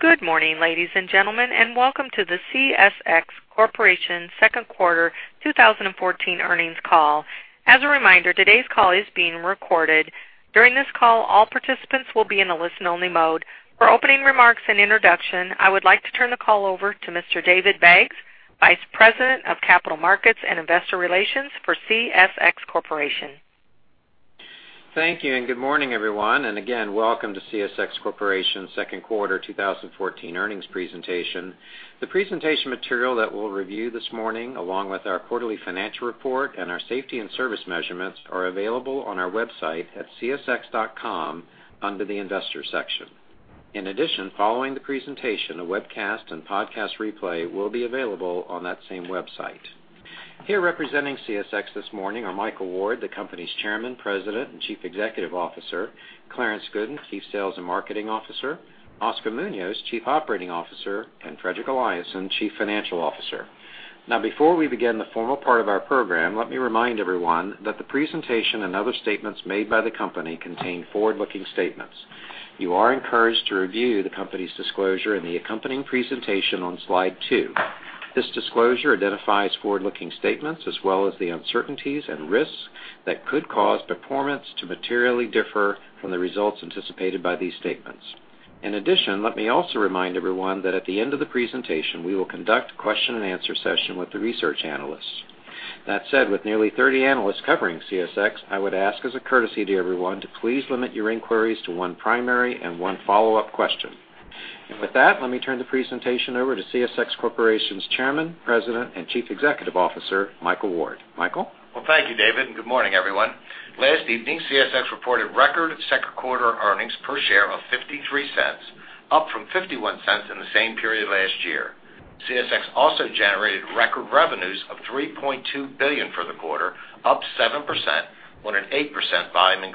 Good morning, ladies and gentlemen, and welcome to the CSX Corporation second quarter 2014 earnings call. As a reminder, today's call is being recorded. During this call, all participants will be in a listen-only mode. For opening remarks and introduction, I would like to turn the call over to Mr. David Baggs, Vice President of Capital Markets and Investor Relations for CSX Corporation. Thank you, and good morning, everyone, and again, welcome to CSX Corporation's second quarter 2014 earnings presentation. The presentation material that we'll review this morning, along with our quarterly financial report and our safety and service measurements, are available on our website at csx.com under the Investor section. In addition, following the presentation, a webcast and podcast replay will be available on that same website. Here representing CSX this morning are Michael Ward, the company's Chairman, President, and Chief Executive Officer, Clarence Gooden, Chief Sales and Marketing Officer, Oscar Munoz, Chief Operating Officer, and Fredrik Eliasson, Chief Financial Officer. Now, before we begin the formal part of our program, let me remind everyone that the presentation and other statements made by the company contain forward-looking statements. You are encouraged to review the company's disclosure in the accompanying presentation on slide 2. This disclosure identifies forward-looking statements, as well as the uncertainties and risks that could cause performance to materially differ from the results anticipated by these statements. In addition, let me also remind everyone that at the end of the presentation, we will conduct a question-and-answer session with the research analysts. That said, with nearly 30 analysts covering CSX, I would ask as a courtesy to everyone to please limit your inquiries to one primary and one follow-up question. And with that, let me turn the presentation over to CSX Corporation's Chairman, President, and Chief Executive Officer, Michael Ward. Michael? Well, thank you, David, and good morning, everyone. Last evening, CSX reported record second quarter earnings per share of $0.53, up from $0.51 in the same period last year. CSX also generated record revenues of $3.2 billion for the quarter, up 7%, on an 8% volume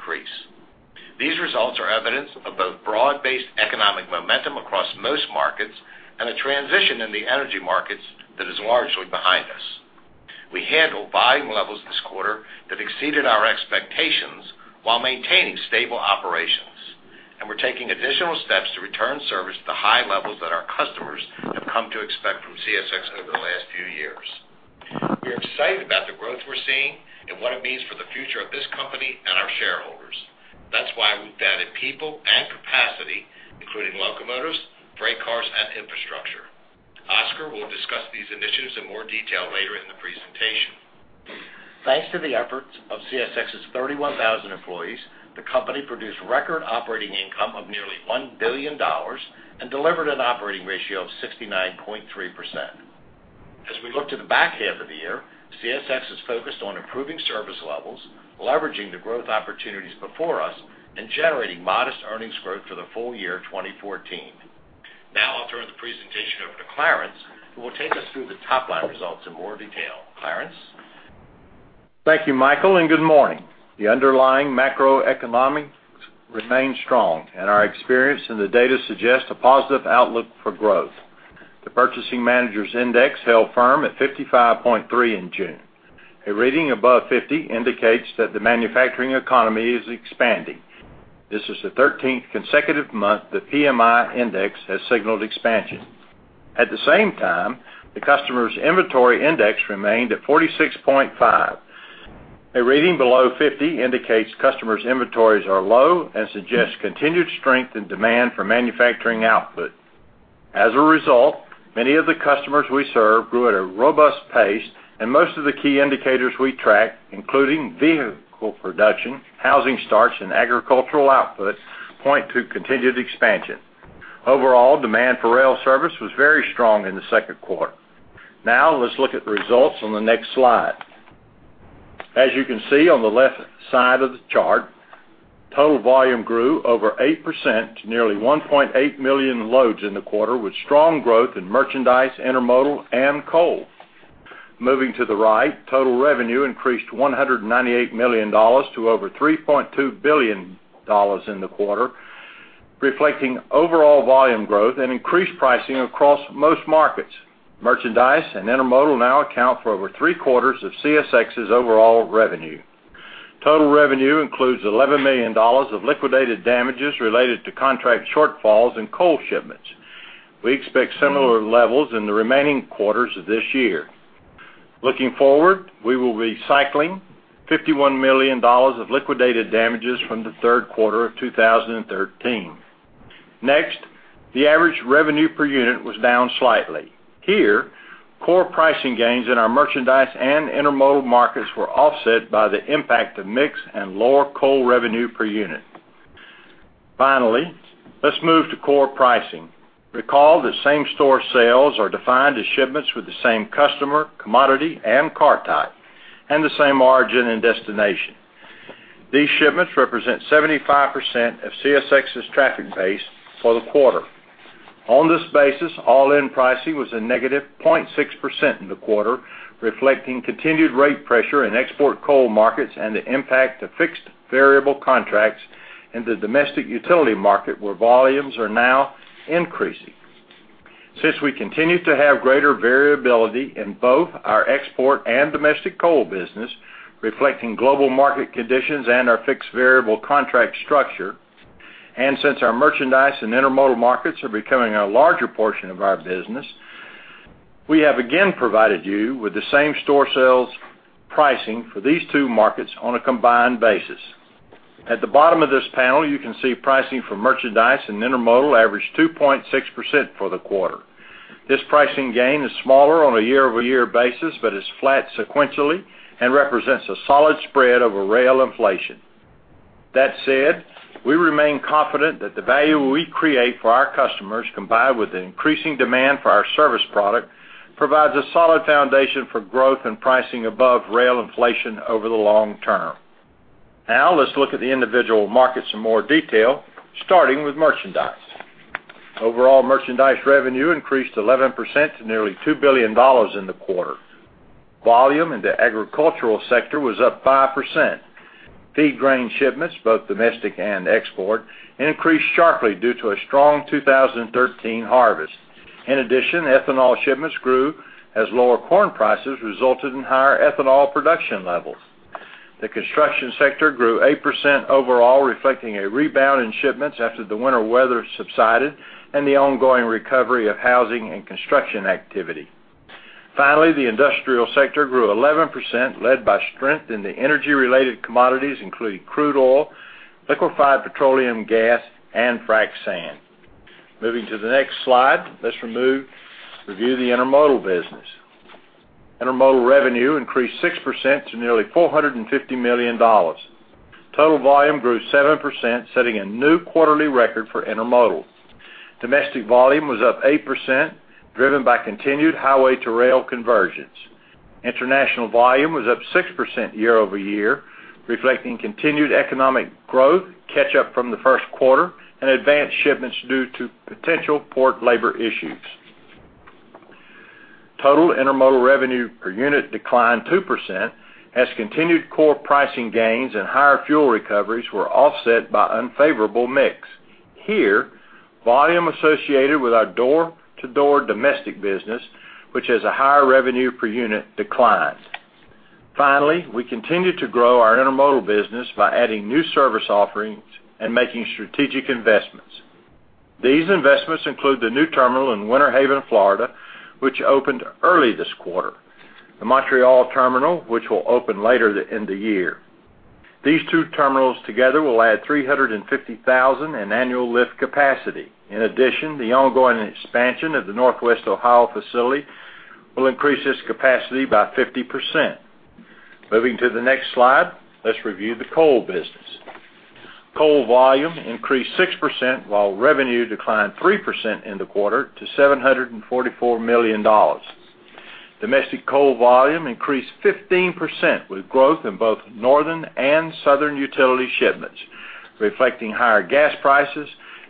increase. These results are evidence of both broad-based economic momentum across most markets and a transition in the energy markets that is largely behind us. We handled volume levels this quarter that exceeded our expectations while maintaining stable operations, and we're taking additional steps to return service to the high levels that our customers have come to expect from CSX over the last few years. We're excited about the growth we're seeing and what it means for the future of this company and our shareholders. That's why we've added people and capacity, including locomotives, freight cars, and infrastructure. Oscar will discuss these initiatives in more detail later in the presentation. Thanks to the efforts of CSX's 31,000 employees, the company produced record operating income of nearly $1 billion and delivered an operating ratio of 69.3%. As we look to the back half of the year, CSX is focused on improving service levels, leveraging the growth opportunities before us, and generating modest earnings growth for the full year 2014. Now I'll turn the presentation over to Clarence, who will take us through the top-line results in more detail. Clarence? Thank you, Michael, and good morning. The underlying macroeconomics remain strong, and our experience in the data suggests a positive outlook for growth. The Purchasing Managers' Index held firm at 55.3 in June. A reading above 50 indicates that the manufacturing economy is expanding. This is the thirteenth consecutive month the PMI index has signaled expansion. At the same time, the Customers' Inventory Index remained at 46.5. A reading below 50 indicates customers' inventories are low and suggests continued strength and demand for manufacturing output. As a result, many of the customers we serve grew at a robust pace, and most of the key indicators we track, including vehicle production, housing starts, and agricultural output, point to continued expansion. Overall, demand for rail service was very strong in the second quarter. Now let's look at the results on the next slide. As you can see on the left side of the chart, total volume grew over 8% to nearly 1.8 million loads in the quarter, with strong growth in merchandise, intermodal, and coal. Moving to the right, total revenue increased $198 million to over $3.2 billion in the quarter, reflecting overall volume growth and increased pricing across most markets. Merchandise and intermodal now account for over three-quarters of CSX's overall revenue. Total revenue includes $11 million of liquidated damages related to contract shortfalls in coal shipments. We expect similar levels in the remaining quarters of this year. Looking forward, we will be cycling $51 million of liquidated damages from the third quarter of 2013. Next, the average revenue per unit was down slightly. Here, core pricing gains in our merchandise and intermodal markets were offset by the impact of mix and lower coal revenue per unit. Finally, let's move to core pricing. Recall that same-store sales are defined as shipments with the same customer, commodity, and car type, and the same origin and destination. These shipments represent 75% of CSX's traffic base for the quarter. On this basis, all-in pricing was a negative 0.6% in the quarter, reflecting continued rate pressure in export coal markets and the impact of fixed-variable contracts in the domestic utility market, where volumes are now increasing. Since we continue to have greater variability in both our export and domestic coal business, reflecting global market conditions and our fixed-variable contract structure, and since our merchandise and intermodal markets are becoming a larger portion of our business, we have again provided you with the same-store sales pricing for these two markets on a combined basis. At the bottom of this panel, you can see pricing for merchandise and intermodal averaged 2.6% for the quarter. This pricing gain is smaller on a year-over-year basis, but is flat sequentially and represents a solid spread over rail inflation. That said, we remain confident that the value we create for our customers, combined with the increasing demand for our service product, provides a solid foundation for growth and pricing above rail inflation over the long term. Now, let's look at the individual markets in more detail, starting with merchandise. Overall, merchandise revenue increased 11% to nearly $2 billion in the quarter. Volume in the agricultural sector was up 5%. Feed grain shipments, both domestic and export, increased sharply due to a strong 2013 harvest. In addition, ethanol shipments grew as lower corn prices resulted in higher ethanol production levels. The construction sector grew 8% overall, reflecting a rebound in shipments after the winter weather subsided and the ongoing recovery of housing and construction activity. Finally, the industrial sector grew 11%, led by strength in the energy-related commodities, including crude oil, liquefied petroleum gas, and frac sand. Moving to the next slide, let's review the intermodal business. Intermodal revenue increased 6% to nearly $450 million. Total volume grew 7%, setting a new quarterly record for intermodal. Domestic volume was up 8%, driven by continued highway-to-rail conversions. International volume was up 6% year-over-year, reflecting continued economic growth, catch-up from the first quarter, and advanced shipments due to potential port labor issues. Total intermodal revenue per unit declined 2%, as continued core pricing gains and higher fuel recoveries were offset by unfavorable mix. Here, volume associated with our door-to-door domestic business, which has a higher revenue per unit, declined. Finally, we continued to grow our intermodal business by adding new service offerings and making strategic investments. These investments include the new terminal in Winter Haven, Florida, which opened early this quarter, the Montreal terminal, which will open later in the year. These two terminals together will add 350,000 in annual lift capacity. In addition, the ongoing expansion of the Northwest Ohio facility will increase its capacity by 50%. Moving to the next slide, let's review the coal business. Coal volume increased 6%, while revenue declined 3% in the quarter to $744 million. Domestic coal volume increased 15%, with growth in both northern and southern utility shipments, reflecting higher gas prices,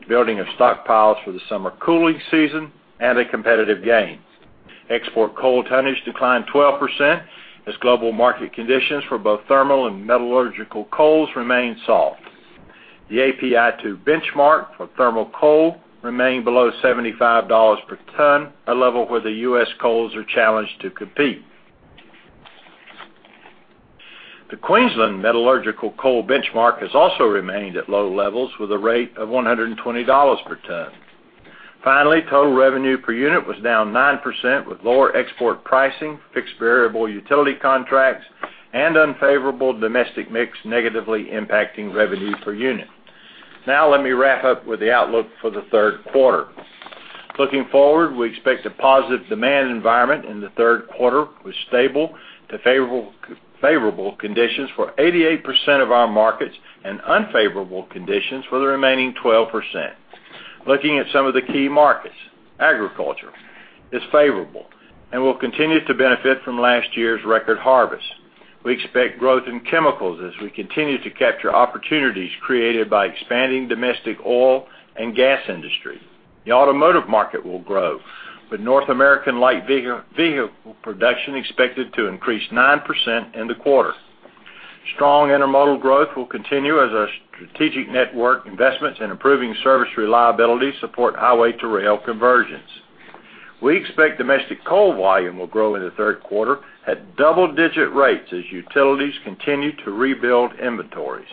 building of stockpiles for the summer cooling season, and a competitive gain. Export coal tonnage declined 12%, as global market conditions for both thermal and metallurgical coals remained soft. The API 2 benchmark for thermal coal remained below $75 per ton, a level where the U.S. coals are challenged to compete. The Queensland metallurgical coal benchmark has also remained at low levels, with a rate of $120 per ton. Finally, total revenue per unit was down 9%, with lower export pricing, fixed-variable utility contracts, and unfavorable domestic mix negatively impacting revenue per unit. Now, let me wrap up with the outlook for the third quarter. Looking forward, we expect a positive demand environment in the third quarter, with stable to favorable, favorable conditions for 88% of our markets and unfavorable conditions for the remaining 12%. Looking at some of the key markets, agriculture is favorable and will continue to benefit from last year's record harvest. We expect growth in chemicals as we continue to capture opportunities created by expanding domestic oil and gas industry. The automotive market will grow, with North American light vehicle production expected to increase 9% in the quarter. Strong intermodal growth will continue as our strategic network investments and improving service reliability support highway-to-rail conversions. We expect domestic coal volume will grow in the third quarter at double-digit rates as utilities continue to rebuild inventories.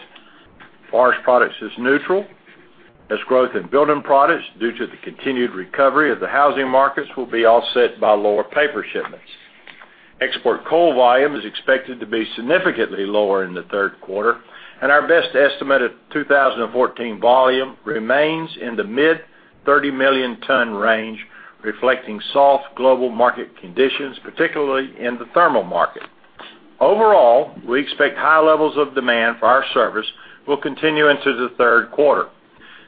Forest Products is neutral, as growth in building products due to the continued recovery of the housing markets will be offset by lower paper shipments. Export coal volume is expected to be significantly lower in the third quarter, and our best estimate of 2014 volume remains in the mid-30-million-ton range, reflecting soft global market conditions, particularly in the thermal market. Overall, we expect high levels of demand for our service will continue into the third quarter.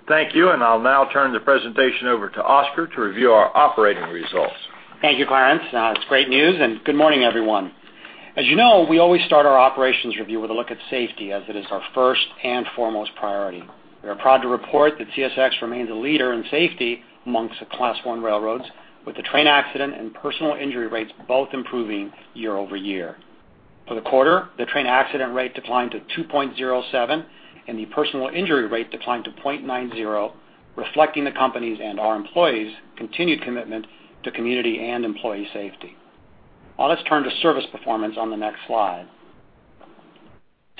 Thank you, and I'll now turn the presentation over to Oscar to review our operating results. Thank you, Clarence. It's great news, and good morning, everyone. As you know, we always start our operations review with a look at safety, as it is our first and foremost priority. We are proud to report that CSX remains a leader in safety amongst the Class I railroads, with the train accident and personal injury rates both improving year-over-year. For the quarter, the train accident rate declined to 2.07, and the personal injury rate declined to 0.90, reflecting the company's and our employees' continued commitment to community and employee safety. Now let's turn to service performance on the next slide.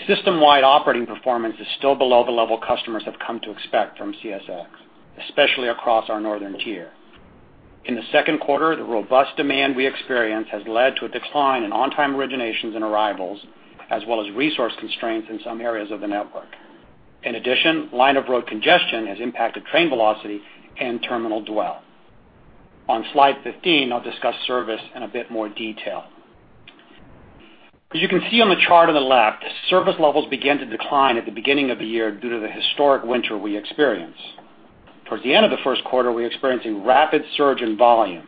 System-wide operating performance is still below the level customers have come to expect from CSX, especially across our Northern Tier. In the second quarter, the robust demand we experienced has led to a decline in on-time originations and arrivals, as well as resource constraints in some areas of the network. In addition, line of road congestion has impacted train velocity and terminal dwell. On Slide 15, I'll discuss service in a bit more detail. As you can see on the chart on the left, service levels began to decline at the beginning of the year due to the historic winter we experienced. Towards the end of the first quarter, we experienced a rapid surge in volume.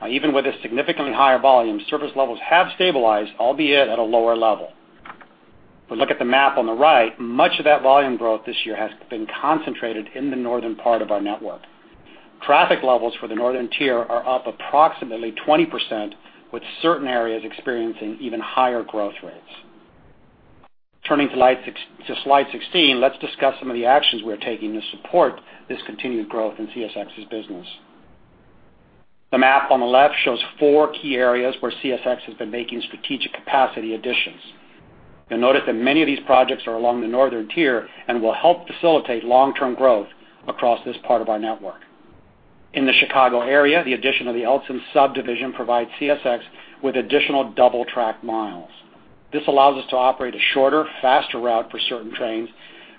Now, even with a significantly higher volume, service levels have stabilized, albeit at a lower level. If we look at the map on the right, much of that volume growth this year has been concentrated in the northern part of our network. Traffic levels for the Northern Tier are up approximately 20%, with certain areas experiencing even higher growth rates. Turning to Slide 6 to Slide 16, let's discuss some of the actions we are taking to support this continued growth in CSX's business. The map on the left shows four key areas where CSX has been making strategic capacity additions. You'll notice that many of these projects are along the Northern Tier and will help facilitate long-term growth across this part of our network. In the Chicago area, the addition of the Elsdon Subdivision provides CSX with additional double track miles. This allows us to operate a shorter, faster route for certain trains,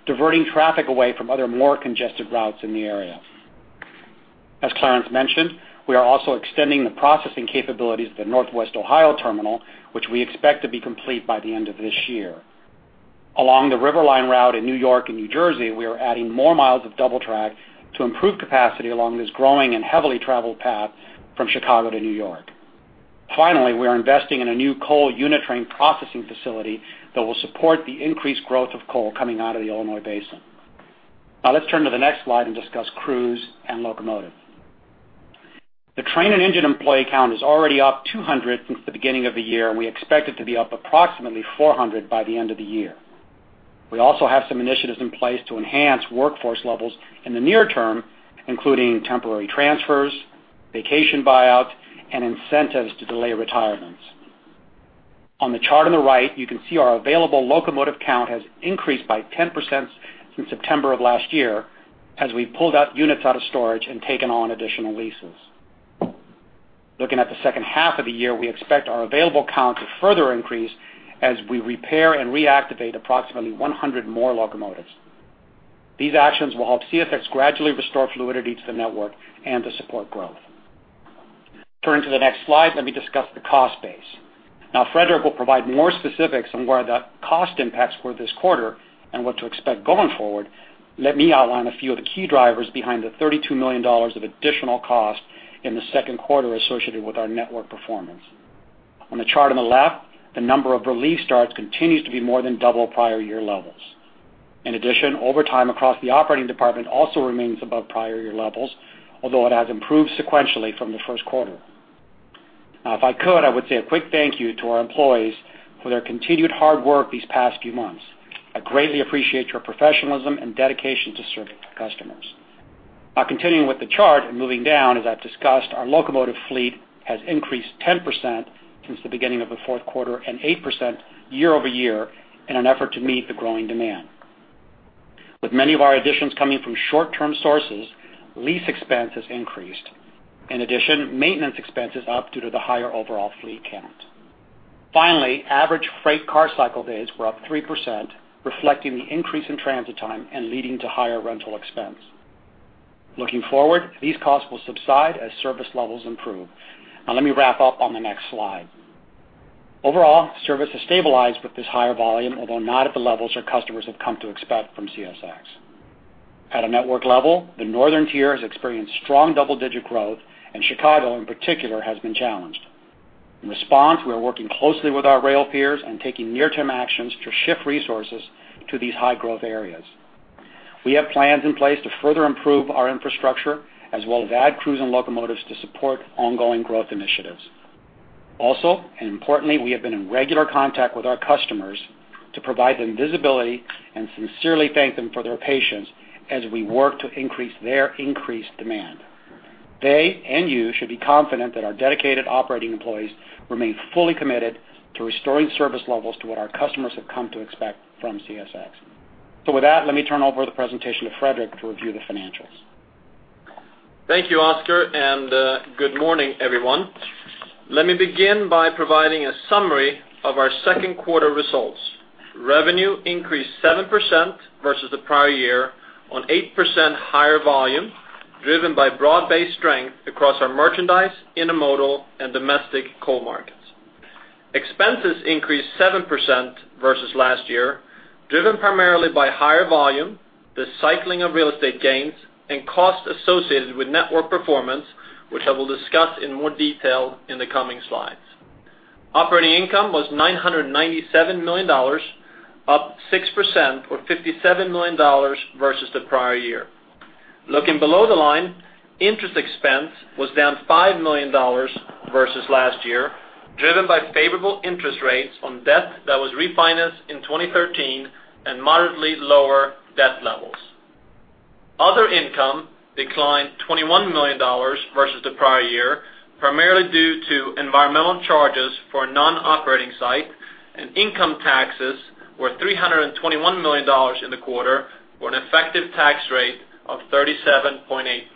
diverting traffic away from other, more congested routes in the area. As Clarence mentioned, we are also extending the processing capabilities of the Northwest Ohio terminal, which we expect to be complete by the end of this year. Along the River Line route in New York and New Jersey, we are adding more miles of double track to improve capacity along this growing and heavily traveled path from Chicago to New York. Finally, we are investing in a new coal unit train processing facility that will support the increased growth of coal coming out of the Illinois Basin. Now let's turn to the next slide and discuss crews and locomotives. The train and engine employee count is already up 200 since the beginning of the year, and we expect it to be up approximately 400 by the end of the year. We also have some initiatives in place to enhance workforce levels in the near term, including temporary transfers, vacation buyouts, and incentives to delay retirements. On the chart on the right, you can see our available locomotive count has increased by 10% since September of last year, as we pulled units out of storage and taken on additional leases. Looking at the second half of the year, we expect our available count to further increase as we repair and reactivate approximately 100 more locomotives. These actions will help CSX gradually restore fluidity to the network and to support growth. Turning to the next slide, let me discuss the cost base. Now, Fredrik will provide more specifics on where the cost impacts were this quarter and what to expect going forward. Let me outline a few of the key drivers behind the $32 million of additional cost in the second quarter associated with our network performance. On the chart on the left, the number of relief starts continues to be more than double prior year levels. In addition, overtime across the operating department also remains above prior year levels, although it has improved sequentially from the first quarter. Now, if I could, I would say a quick thank you to our employees for their continued hard work these past few months. I greatly appreciate your professionalism and dedication to serving our customers. Now, continuing with the chart and moving down, as I've discussed, our locomotive fleet has increased 10% since the beginning of the fourth quarter and 8% year-over-year in an effort to meet the growing demand. With many of our additions coming from short-term sources, lease expense has increased. In addition, maintenance expense is up due to the higher overall fleet count. Finally, average freight car cycle days were up 3%, reflecting the increase in transit time and leading to higher rental expense. Looking forward, these costs will subside as service levels improve. Now, let me wrap up on the next slide. Overall, service has stabilized with this higher volume, although not at the levels our customers have come to expect from CSX. At a network level, the Northern Tier has experienced strong double-digit growth, and Chicago, in particular, has been challenged. In response, we are working closely with our rail peers and taking near-term actions to shift resources to these high-growth areas. We have plans in place to further improve our infrastructure, as well as add crews and locomotives to support ongoing growth initiatives. Also, and importantly, we have been in regular contact with our customers to provide them visibility and sincerely thank them for their patience as we work to increase their increased demand. They, and you, should be confident that our dedicated operating employees remain fully committed to restoring service levels to what our customers have come to expect from CSX. So with that, let me turn over the presentation to Fredrik to review the financials. Thank you, Oscar, and, good morning, everyone. Let me begin by providing a summary of our second quarter results. Revenue increased 7% versus the prior year on 8% higher volume, driven by broad-based strength across our merchandise, intermodal, and domestic coal markets. Expenses increased 7% versus last year, driven primarily by higher volume, the cycling of real estate gains, and costs associated with network performance, which I will discuss in more detail in the coming slides. Operating income was $997 million, up 6% or $57 million versus the prior year. Looking below the line, interest expense was down $5 million versus last year, driven by favorable interest rates on debt that was refinanced in 2013, and moderately lower debt levels. Other income declined $21 million versus the prior year, primarily due to environmental charges for a non-operating site, and income taxes were $321 million in the quarter, for an effective tax rate of 37.8%.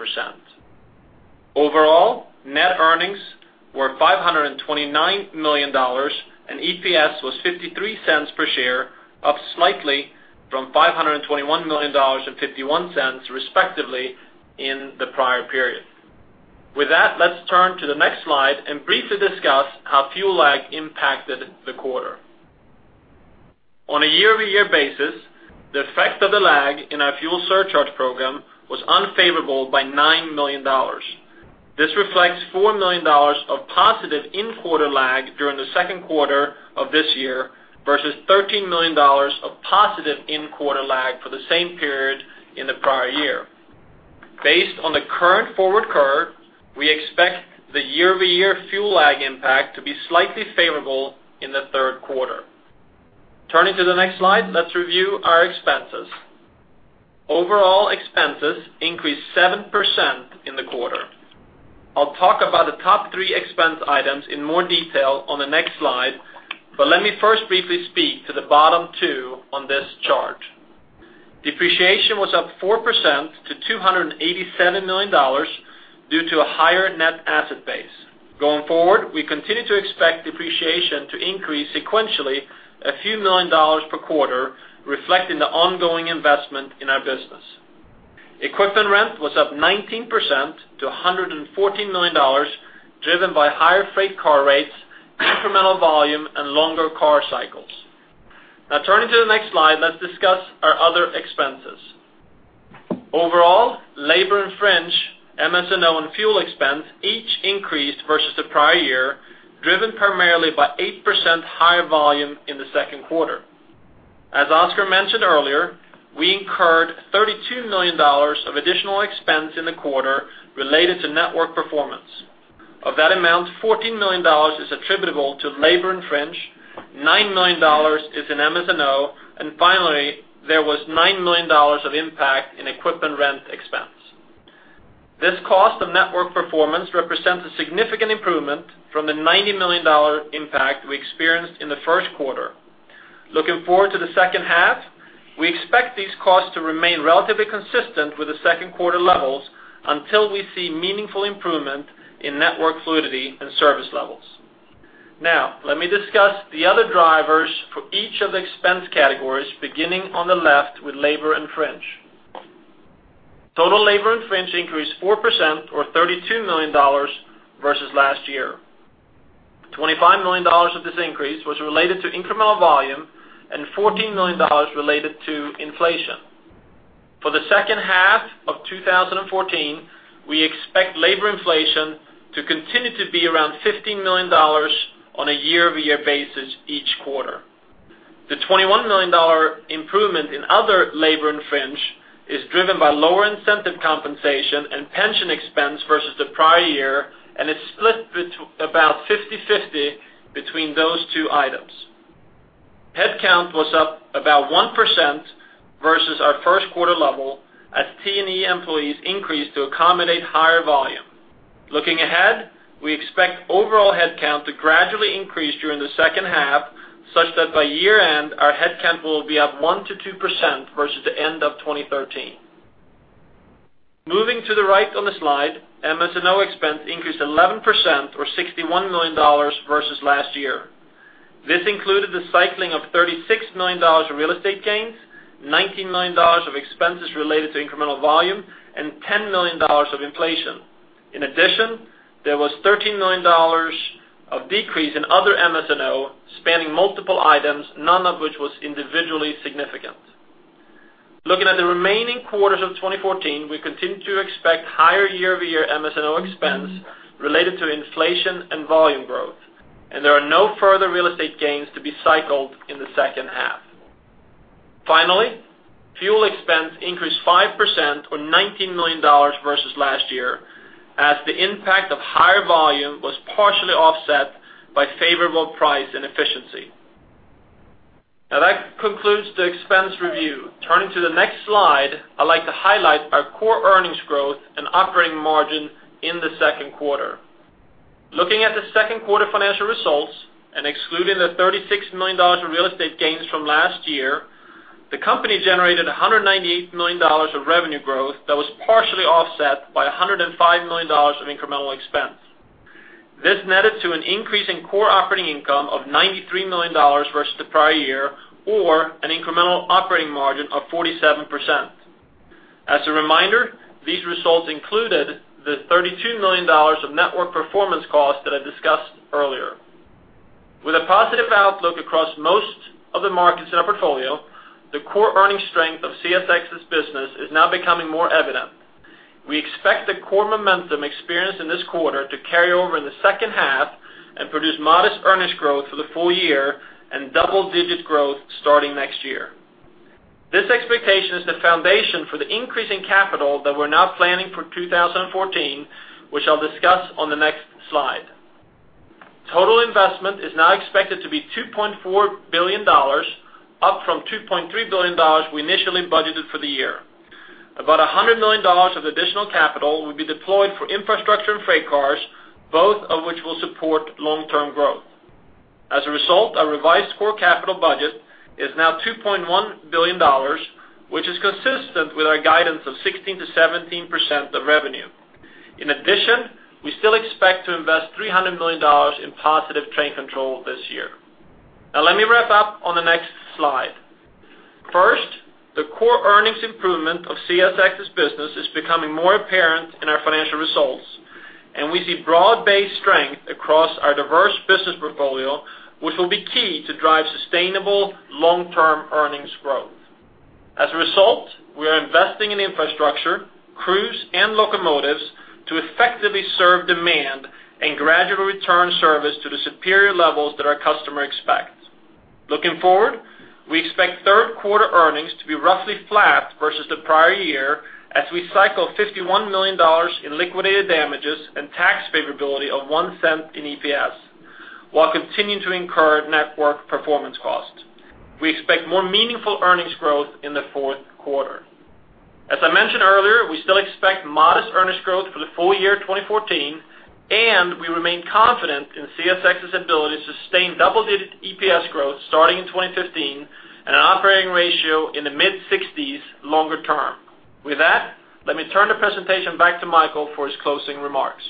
Overall, net earnings were $529 million, and EPS was $0.53 per share, up slightly from $521 million and $0.51, respectively, in the prior period. With that, let's turn to the next slide and briefly discuss how fuel lag impacted the quarter. On a year-over-year basis, the effect of the lag in our fuel surcharge program was unfavorable by $9 million. This reflects $4 million of positive in-quarter lag during the second quarter of this year, versus $13 million of positive in-quarter lag for the same period in the prior year. Based on the current forward curve, we expect the year-over-year fuel lag impact to be slightly favorable in the third quarter. Turning to the next slide, let's review our expenses. Overall expenses increased 7% in the quarter. I'll talk about the top three expense items in more detail on the next slide, but let me first briefly speak to the bottom two on this chart. Depreciation was up 4% to $287 million due to a higher net asset base. Going forward, we continue to expect depreciation to increase sequentially a few million dollars per quarter, reflecting the ongoing investment in our business. Equipment rent was up 19% to $114 million, driven by higher freight car rates, incremental volume, and longer car cycles. Now, turning to the next slide, let's discuss our other expenses. Overall, labor and fringe, MS&O, and fuel expense each increased versus the prior year, driven primarily by 8% higher volume in the second quarter. As Oscar mentioned earlier, we incurred $32 million of additional expense in the quarter related to network performance. Of that amount, $14 million is attributable to labor and fringe, $9 million is in MS&O, and finally, there was $9 million of impact in equipment rent expense. This cost of network performance represents a significant improvement from the $90 million impact we experienced in the first quarter. Looking forward to the second half, we expect these costs to remain relatively consistent with the second quarter levels until we see meaningful improvement in network fluidity and service levels. Now, let me discuss the other drivers for each of the expense categories, beginning on the left with labor and fringe. Total labor and fringe increased 4%, or $32 million, versus last year. $25 million of this increase was related to incremental volume, and $14 million related to inflation. For the second half of 2014, we expect labor inflation to continue to be around $15 million on a year-over-year basis each quarter. The $21 million improvement in other labor and fringe is driven by lower incentive compensation and pension expense versus the prior year, and it's split about 50/50 between those two items. Headcount was up about 1% versus our first quarter level, as T&E employees increased to accommodate higher volume. Looking ahead, we expect overall headcount to gradually increase during the second half, such that by year-end, our headcount will be up 1%-2% versus the end of 2013. Moving to the right on the slide, MS&O expense increased 11%, or $61 million, versus last year. This included the cycling of $36 million in real estate gains, $19 million of expenses related to incremental volume, and $10 million of inflation. In addition, there was $13 million of decrease in other MS&O, spanning multiple items, none of which was individually significant. Looking at the remaining quarters of 2014, we continue to expect higher year-over-year MS&O expense related to inflation and volume growth, and there are no further real estate gains to be cycled in the second half. Finally, fuel expense increased 5%, or $19 million, versus last year, as the impact of higher volume was partially offset by favorable price and efficiency. Now, that concludes the expense review. Turning to the next slide, I'd like to highlight our core earnings growth and operating margin in the second quarter. Looking at the second quarter financial results, and excluding the $36 million in real estate gains from last year, the company generated $198 million of revenue growth that was partially offset by $105 million of incremental expense. This netted to an increase in core operating income of $93 million versus the prior year, or an incremental operating margin of 47%. As a reminder, these results included the $32 million of network performance costs that I discussed earlier. With a positive outlook across most of the markets in our portfolio, the core earnings strength of CSX's business is now becoming more evident. We expect the core momentum experienced in this quarter to carry over in the second half. produce modest earnings growth for the full year and double-digit growth starting next year. This expectation is the foundation for the increase in capital that we're now planning for 2014, which I'll discuss on the next slide. Total investment is now expected to be $2.4 billion, up from $2.3 billion we initially budgeted for the year. About $100 million of additional capital will be deployed for infrastructure and freight cars, both of which will support long-term growth. As a result, our revised core capital budget is now $2.1 billion, which is consistent with our guidance of 16%-17% of revenue. In addition, we still expect to invest $300 million in Positive Train Control this year. Now, let me wrap up on the next slide. First, the core earnings improvement of CSX's business is becoming more apparent in our financial results, and we see broad-based strength across our diverse business portfolio, which will be key to drive sustainable long-term earnings growth. As a result, we are investing in infrastructure, crews, and locomotives to effectively serve demand and gradually return service to the superior levels that our customer expects. Looking forward, we expect third quarter earnings to be roughly flat versus the prior year, as we cycle $51 million in liquidated damages and tax favorability of $0.01 in EPS, while continuing to incur network performance costs. We expect more meaningful earnings growth in the fourth quarter. As I mentioned earlier, we still expect modest earnings growth for the full year 2014, and we remain confident in CSX's ability to sustain double-digit EPS growth starting in 2015 and an operating ratio in the mid-60s longer term. With that, let me turn the presentation back to Michael for his closing remarks.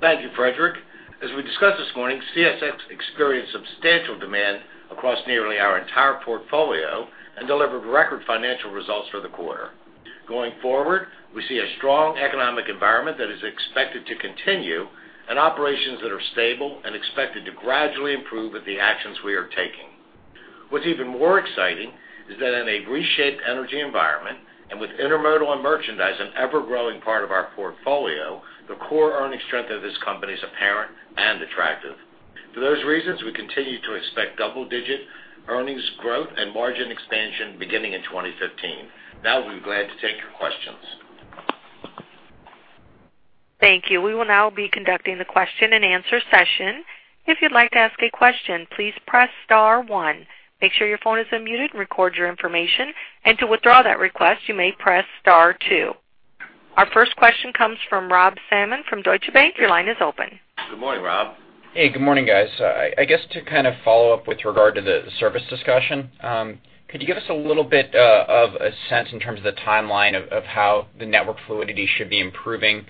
Thank you, Fredrik. As we discussed this morning, CSX experienced substantial demand across nearly our entire portfolio and delivered record financial results for the quarter. Going forward, we see a strong economic environment that is expected to continue and operations that are stable and expected to gradually improve with the actions we are taking. What's even more exciting is that in a reshaped energy environment, and with intermodal and merchandise an ever-growing part of our portfolio, the core earnings strength of this company is apparent and attractive. For those reasons, we continue to expect double-digit earnings growth and margin expansion beginning in 2015. Now we'll be glad to take your questions. Thank you. We will now be conducting the question-and-answer session. If you'd like to ask a question, please press star one. Make sure your phone is unmuted, and record your information. To withdraw that request, you may press star two. Our first question comes from Rob Salmon from Deutsche Bank. Your line is open. Good morning, Rob. Hey, good morning, guys. I guess, to kind of follow up with regard to the service discussion, could you give us a little bit of a sense in terms of the timeline of how the network fluidity should be improving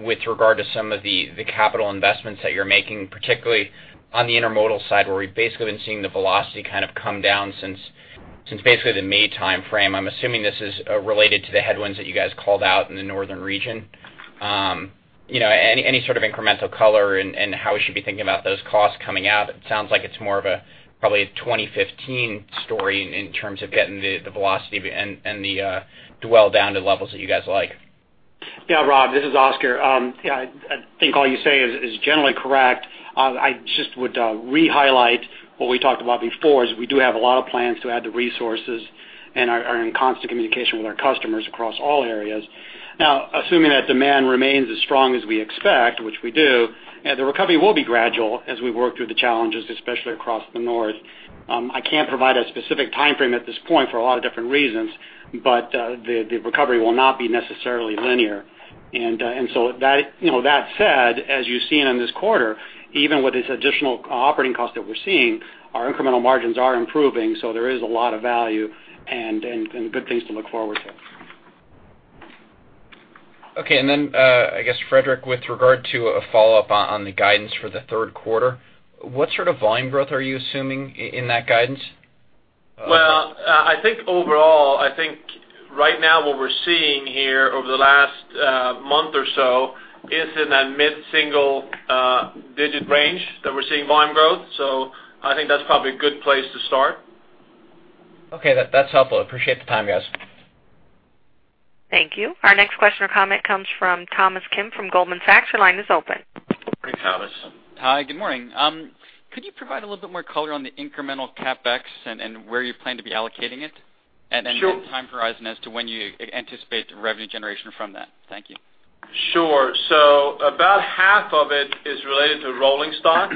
with regard to some of the capital investments that you're making, particularly on the intermodal side, where we've basically been seeing the velocity kind of come down since basically the May timeframe? I'm assuming this is related to the headwinds that you guys called out in the northern region. You know, any sort of incremental color and how we should be thinking about those costs coming out? It sounds like it's more of a probably a 2015 story in terms of getting the velocity and the dwell down to levels that you guys like. Yeah, Rob, this is Oscar. Yeah, I think all you say is generally correct. I just would rehighlight what we talked about before, is we do have a lot of plans to add the resources and are in constant communication with our customers across all areas. Now, assuming that demand remains as strong as we expect, which we do, and the recovery will be gradual as we work through the challenges, especially across the North, I can't provide a specific timeframe at this point for a lot of different reasons, but the recovery will not be necessarily linear. And so, you know, that said, as you've seen in this quarter, even with this additional operating costs that we're seeing, our incremental margins are improving, so there is a lot of value and good things to look forward to. Okay. And then, I guess, Fredrik, with regard to a follow-up on the guidance for the third quarter, what sort of volume growth are you assuming in that guidance? Well, I think overall, I think right now what we're seeing here over the last month or so is in that mid-single-digit range that we're seeing volume growth. So I think that's probably a good place to start. Okay. That's helpful. I appreciate the time, guys. Thank you. Our next question or comment comes from Thomas Kim from Goldman Sachs. Your line is open. Hey, Thomas. Hi, good morning. Could you provide a little bit more color on the incremental CapEx and where you plan to be allocating it? Sure. And then your time horizon as to when you anticipate the revenue generation from that? Thank you. Sure. So about half of it is related to rolling stock,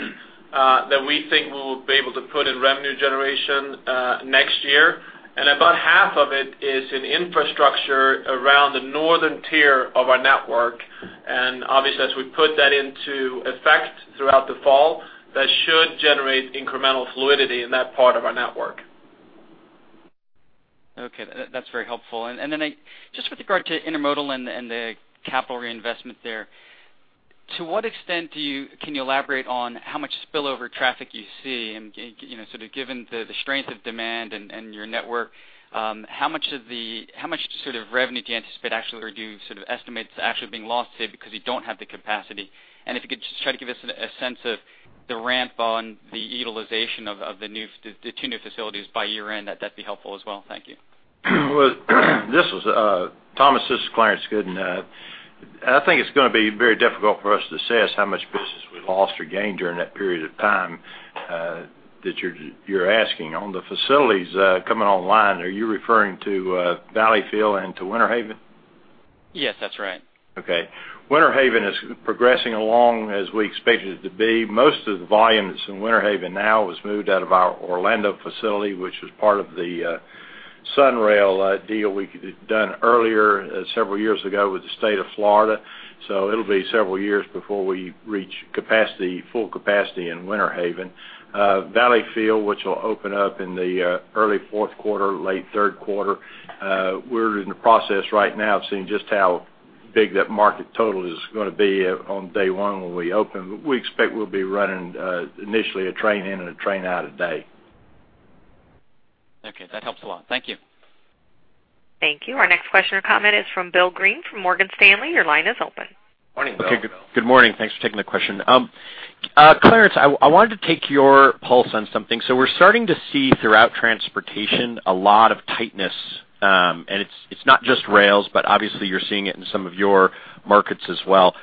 that we think we will be able to put in revenue generation, next year. And about half of it is in infrastructure around the Northern Tier of our network, and obviously, as we put that into effect throughout the fall, that should generate incremental fluidity in that part of our network. Okay, that's very helpful. And then, just with regard to intermodal and the capital reinvestment there, to what extent do you can you elaborate on how much spillover traffic you see? And, you know, sort of given the strength of demand and your network, how much of the, how much sort of revenue do you anticipate actually, or do you sort of estimate it's actually being lost today because you don't have the capacity? And if you could just try to give us a sense of The ramp on the utilization of the two new facilities by year-end, that'd be helpful as well. Thank you. Well, this is Thomas, this is Clarence Gooden. I think it's gonna be very difficult for us to assess how much business we lost or gained during that period of time that you're asking. On the facilities coming online, are you referring to Valleyfield and to Winter Haven? Yes, that's right. Okay. Winter Haven is progressing along as we expected it to be. Most of the volume that's in Winter Haven now was moved out of our Orlando facility, which was part of the SunRail deal we'd done earlier, several years ago with the state of Florida. So it'll be several years before we reach capacity, full capacity in Winter Haven. Valleyfield, which will open up in the early fourth quarter, late third quarter, we're in the process right now of seeing just how big that market total is gonna be on day one when we open. But we expect we'll be running initially a train in and a train out a day. Okay, that helps a lot. Thank you. Thank you. Our next question or comment is from Bill Greene from Morgan Stanley. Your line is open. Morning, Bill. Okay, good morning. Thanks for taking the question. Clarence, I wanted to take your pulse on something. So we're starting to see throughout transportation, a lot of tightness, and it's not just rails, but obviously, you're seeing it in some of your markets as well.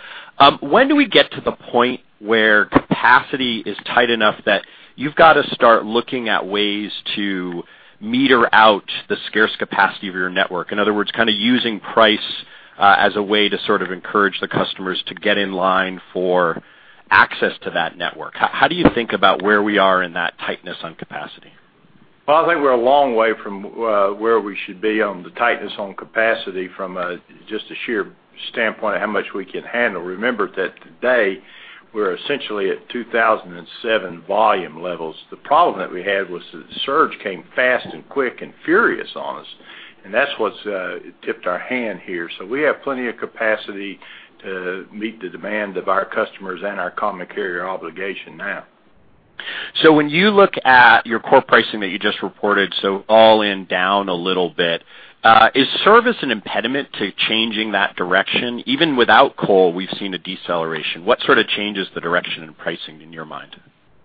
When do we get to the point where capacity is tight enough that you've got to start looking at ways to meter out the scarce capacity of your network? In other words, kind of using price as a way to sort of encourage the customers to get in line for access to that network. How do you think about where we are in that tightness on capacity? Well, I think we're a long way from where we should be on the tightness on capacity from just a sheer standpoint of how much we can handle. Remember that today, we're essentially at 2007 volume levels. The problem that we had was that the surge came fast and quick and furious on us, and that's what's tipped our hand here. So we have plenty of capacity to meet the demand of our customers and our common carrier obligation now. So when you look at your core pricing that you just reported, so all in, down a little bit, is service an impediment to changing that direction? Even without coal, we've seen a deceleration. What sort of changes the direction in pricing in your mind?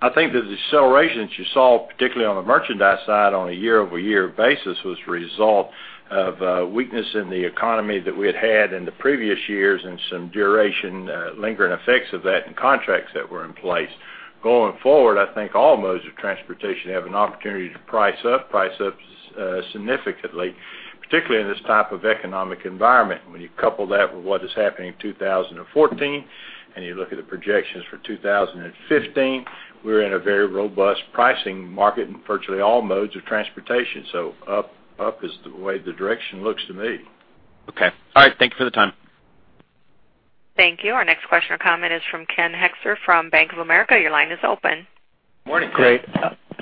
I think that the deceleration that you saw, particularly on the merchandise side on a year-over-year basis, was a result of weakness in the economy that we had had in the previous years and some duration, lingering effects of that and contracts that were in place. Going forward, I think all modes of transportation have an opportunity to price up, price up, significantly, particularly in this type of economic environment. When you couple that with what is happening in 2014, and you look at the projections for 2015, we're in a very robust pricing market in virtually all modes of transportation. So up, up is the way the direction looks to me. Okay. All right, thank you for the time. Thank you. Our next question or comment is from Ken Hoexter from Bank of America. Your line is open. Morning, Ken. Great.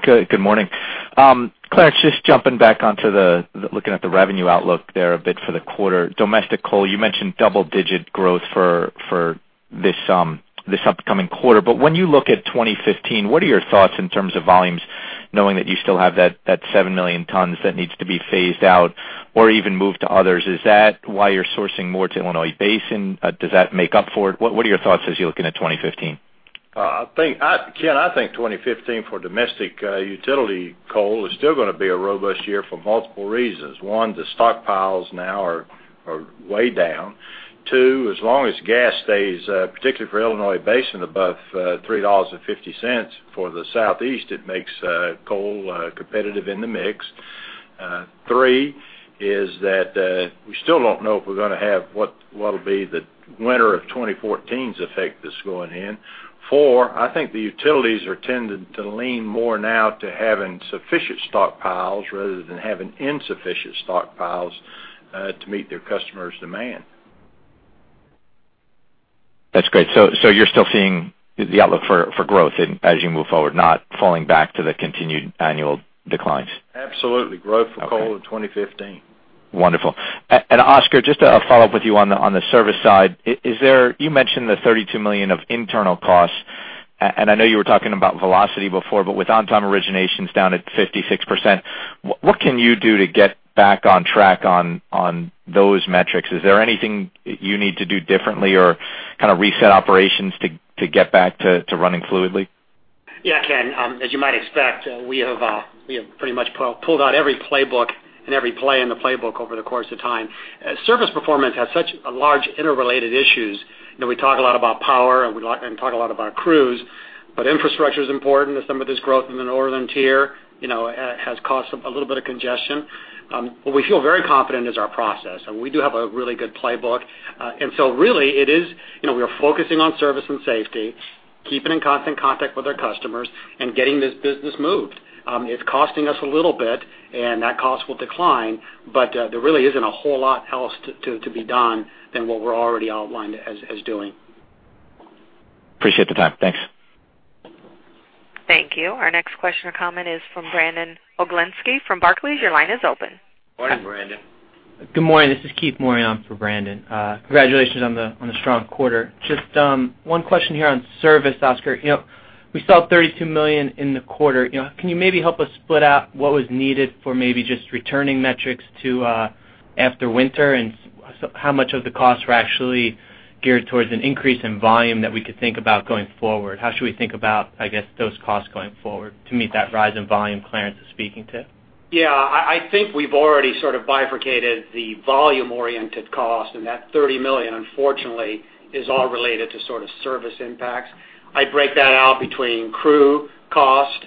Good morning. Clarence, just jumping back onto the looking at the revenue outlook there a bit for the quarter. Domestic coal, you mentioned double-digit growth for this upcoming quarter. But when you look at 2015, what are your thoughts in terms of volumes, knowing that you still have that 7 million tons that needs to be phased out or even moved to others? Is that why you're sourcing more to Illinois Basin? Does that make up for it? What are your thoughts as you're looking at 2015? I think, Ken, I think 2015 for domestic, utility coal is still gonna be a robust year for multiple reasons. One, the stockpiles now are way down. Two, as long as gas stays, particularly for Illinois Basin, above $3.50 for the Southeast, it makes coal competitive in the mix. Three, is that we still don't know if we're gonna have what, what'll be the winter of 2014's effect that's going in. Four, I think the utilities are tending to lean more now to having sufficient stockpiles rather than having insufficient stockpiles, to meet their customers' demand. That's great. So, you're still seeing the outlook for growth in, as you move forward, not falling back to the continued annual declines? Absolutely. Okay. Growth for coal in 2015. Wonderful. And Oscar, just a follow-up with you on the service side. Is there. You mentioned the $32 million of internal costs, and I know you were talking about velocity before, but with on-time originations down at 56%, what can you do to get back on track on those metrics? Is there anything you need to do differently or kind of reset operations to get back to running fluidly? Yeah, Ken, as you might expect, we have, we have pretty much pulled out every playbook and every play in the playbook over the course of time. Service performance has such a large interrelated issues. You know, we talk a lot about power and we talk a lot about crews, but infrastructure is important as some of this growth in the Northern Tier, you know, has caused some, a little bit of congestion. But we feel very confident is our process, and we do have a really good playbook. And so really, it is, you know, we are focusing on service and safety, keeping in constant contact with our customers, and getting this business moved. It's costing us a little bit, and that cost will decline, but there really isn't a whole lot else to be done than what we're already outlined as doing. Appreciate the time. Thanks. Thank you. Our next question or comment is from Brandon Oglenski from Barclays. Your line is open. Morning, Brandon. Good morning, this is Keith Morgan for Brandon. Congratulations on the strong quarter. Just one question here on service, Oscar. You know, we saw $32 million in the quarter. You know, can you maybe help us split out what was needed for maybe just returning metrics to after winter and So how much of the costs were actually geared towards an increase in volume that we could think about going forward? How should we think about, I guess, those costs going forward to meet that rise in volume Clarence is speaking to? Yeah, I, I think we've already sort of bifurcated the volume-oriented cost, and that $30 million, unfortunately, is all related to sort of service impacts. I break that out between crew, cost,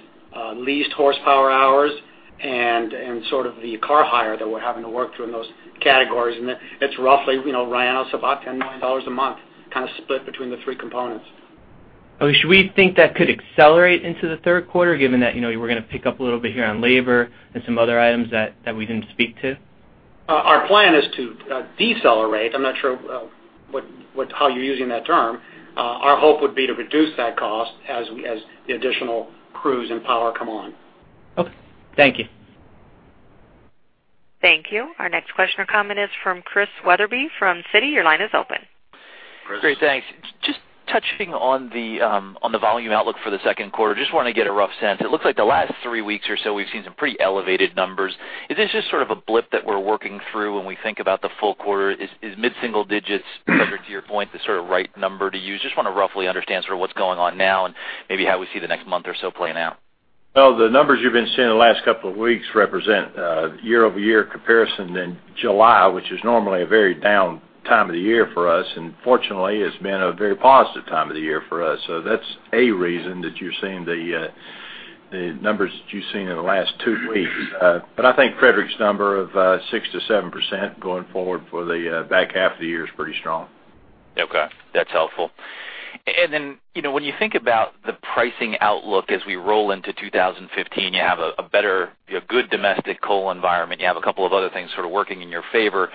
leased horsepower hours, and, and sort of the car hire that we're having to work through in those categories. And it, it's roughly, you know, Ryan, it's about $10 million a month, kind of split between the three components. Oh, should we think that could accelerate into the third quarter, given that, you know, we're gonna pick up a little bit here on labor and some other items that we didn't speak to? Our plan is to decelerate. I'm not sure what, how you're using that term. Our hope would be to reduce that cost as we, as the additional crews and power come on. Okay. Thank you. Thank you. Our next question or comment is from Chris Wetherbee, from Citi. Your line is open. Great, thanks. Just touching on the on the volume outlook for the second quarter, just wanna get a rough sense. It looks like the last three weeks or so, we've seen some pretty elevated numbers. Is this just sort of a blip that we're working through when we think about the full quarter? Is, is mid-single digits, better to your point, the sort of right number to use? Just wanna roughly understand sort of what's going on now and maybe how we see the next month or so playing out. Well, the numbers you've been seeing in the last couple of weeks represent year-over-year comparison in July, which is normally a very down time of the year for us, and fortunately, it's been a very positive time of the year for us. So that's a reason that you're seeing the numbers that you've seen in the last two weeks. But I think Fredrik's number of 6%-7% going forward for the back half of the year is pretty strong. Okay, that's helpful. And then, you know, when you think about the pricing outlook as we roll into 2015, you have a, a better, you have good domestic coal environment. You have a couple of other things sort of working in your favor.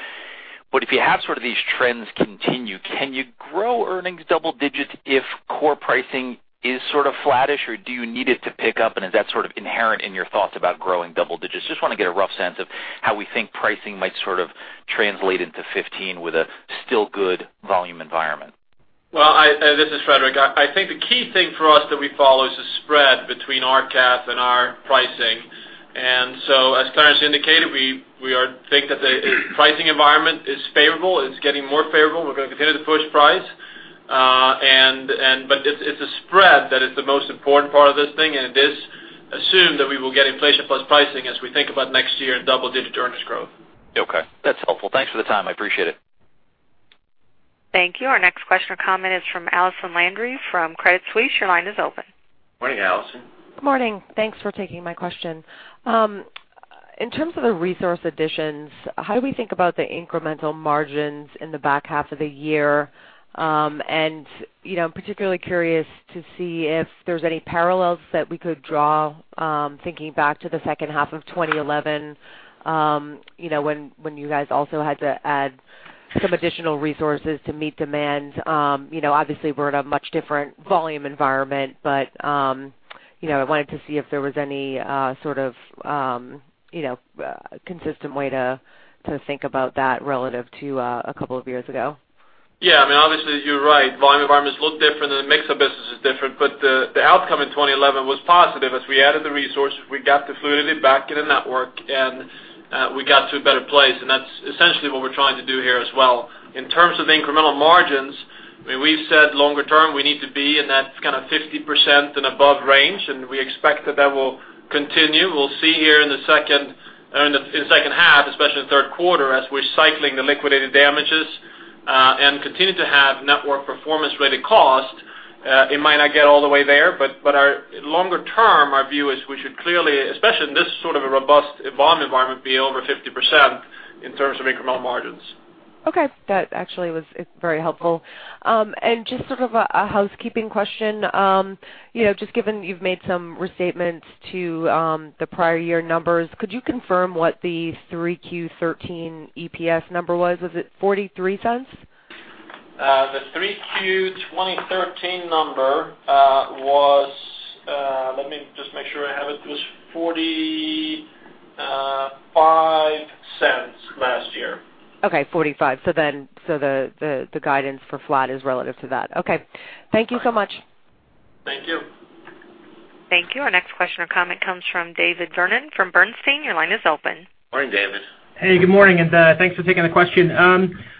But if you have sort of these trends continue, can you grow earnings double digits if core pricing is sort of flattish, or do you need it to pick up, and is that sort of inherent in your thoughts about growing double digits? Just wanna get a rough sense of how we think pricing might sort of translate into 2015 with a still good volume environment. Well, this is Fredrik. I think the key thing for us that we follow is the spread between our RCAF and our pricing. And so, as Clarence indicated, we think that the pricing environment is favorable. It's getting more favorable. We're gonna continue to push price. But it's a spread that is the most important part of this thing, and it is assumed that we will get inflation plus pricing as we think about next year and double-digit earnings growth. Okay, that's helpful. Thanks for the time. I appreciate it. Thank you. Our next question or comment is from Allison Landry from Credit Suisse. Your line is open. Morning, Allison. Good morning. Thanks for taking my question. In terms of the resource additions, how do we think about the incremental margins in the back half of the year? And, you know, I'm particularly curious to see if there's any parallels that we could draw, thinking back to the second half of 2011, you know, when you guys also had to add some additional resources to meet demand. You know, obviously, we're in a much different volume environment, but, you know, I wanted to see if there was any sort of consistent way to think about that relative to a couple of years ago. Yeah, I mean, obviously, you're right. Volume environment is a little different, and the mix of business is different, but the outcome in 2011 was positive. As we added the resource, we got the fluidity back in the network, and we got to a better place, and that's essentially what we're trying to do here as well. In terms of the incremental margins, I mean, we've said longer term, we need to be in that kind of 50% and above range, and we expect that that will continue. We'll see here in the second half, especially in the third quarter, as we're cycling the liquidated damages and continue to have network performance-related cost, it might not get all the way there, but our longer-term view is we should clearly, especially in this sort of a robust volume environment, be over 50% in terms of incremental margins. Okay. That actually was, is very helpful. And just sort of a housekeeping question. You know, just given you've made some restatements to the prior year numbers, could you confirm what the 3Q13 EPS number was? Was it $0.43? The Q3 2013 number was, let me just make sure I have it. It was $0.45 last year. Okay, 45. So then, the guidance for flat is relative to that. Okay. Thank you so much. Thank you. Thank you. Our next question or comment comes from David Vernon from Bernstein. Your line is open. Morning, David. Hey, good morning, and thanks for taking the question.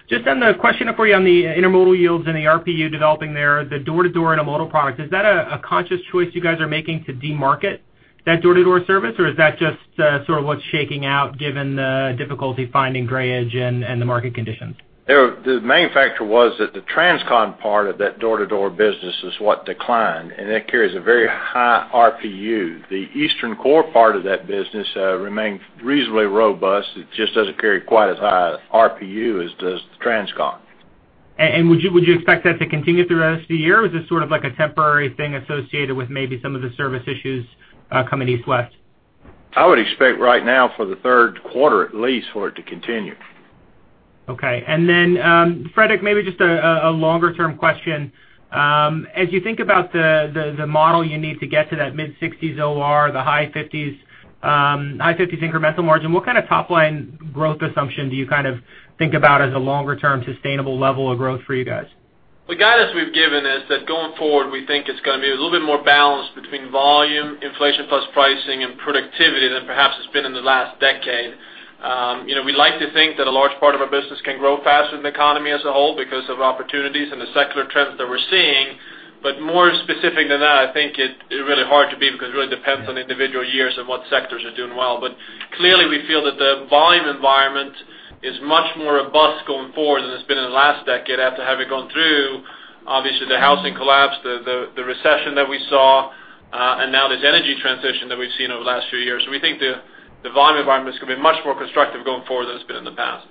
Just on the question for you on the intermodal yields and the RPU developing there, the door-to-door intermodal product, is that a conscious choice you guys are making to demarket that door-to-door service, or is that just sort of what's shaking out, given the difficulty finding drayage and the market conditions? The main factor was that the transcon part of that door-to-door business is what declined, and that carries a very high RPU. The eastern core part of that business remains reasonably robust. It just doesn't carry quite as high RPU as does the transcon. Would you expect that to continue through the rest of the year, or is this sort of like a temporary thing associated with maybe some of the service issues coming east-west? I would expect right now for the third quarter, at least, for it to continue. Okay. And then, Fredrik, maybe just a longer-term question. As you think about the model you need to get to that mid-sixties OR, the high fifties, high fifties incremental margin, what kind of top-line growth assumption do you kind of think about as a longer-term sustainable level of growth for you guys? The guidance we've given is that going forward, we think it's gonna be a little bit more balanced between volume, inflation plus pricing, and productivity than perhaps it's been in the last decade. You know, we like to think that a large part of our business can grow faster than the economy as a whole because of opportunities and the secular trends that we're seeing. But more specific than that, I think it's really hard to be because it really depends on individual years and what sectors are doing well. But clearly, we feel that the volume environment is much more robust going forward than it's been in the last decade, after having gone through, obviously, the housing collapse, the recession that we saw, and now this energy transition that we've seen over the last few years. We think the volume environment is gonna be much more constructive going forward than it's been in the past.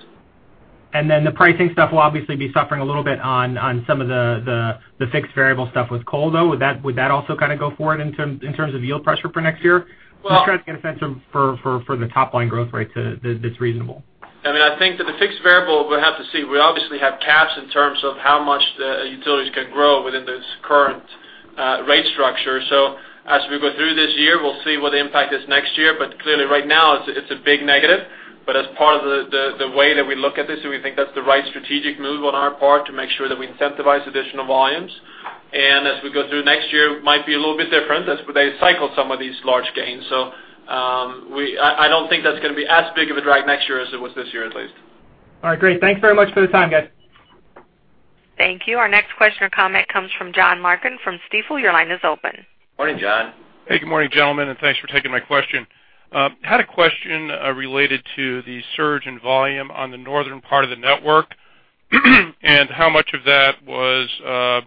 And then the pricing stuff will obviously be suffering a little bit on some of the fixed-variable stuff with coal, though. Would that also kind of go forward in terms of yield pressure for next year? Well. Just trying to get a sense for the top line growth rate to—that that's reasonable. I mean, I think that the fixed variable, we'll have to see. We obviously have caps in terms of how much the utilities can grow within this current rate structure. So as we go through this year, we'll see what the impact is next year. But clearly, right now, it's a big negative. But as part of the way that we look at this, and we think that's the right strategic move on our part to make sure that we incentivize additional volumes. And as we go through next year, might be a little bit different as they cycle some of these large gains. So, I don't think that's gonna be as big of a drag next year as it was this year, at least. All right, great. Thanks very much for the time, guys. Thank you. Our next question or comment comes from John Larkin from Stifel. Your line is open. Morning, John. Hey, good morning, gentlemen, and thanks for taking my question. Had a question related to the surge in volume on the northern part of the network, and how much of that was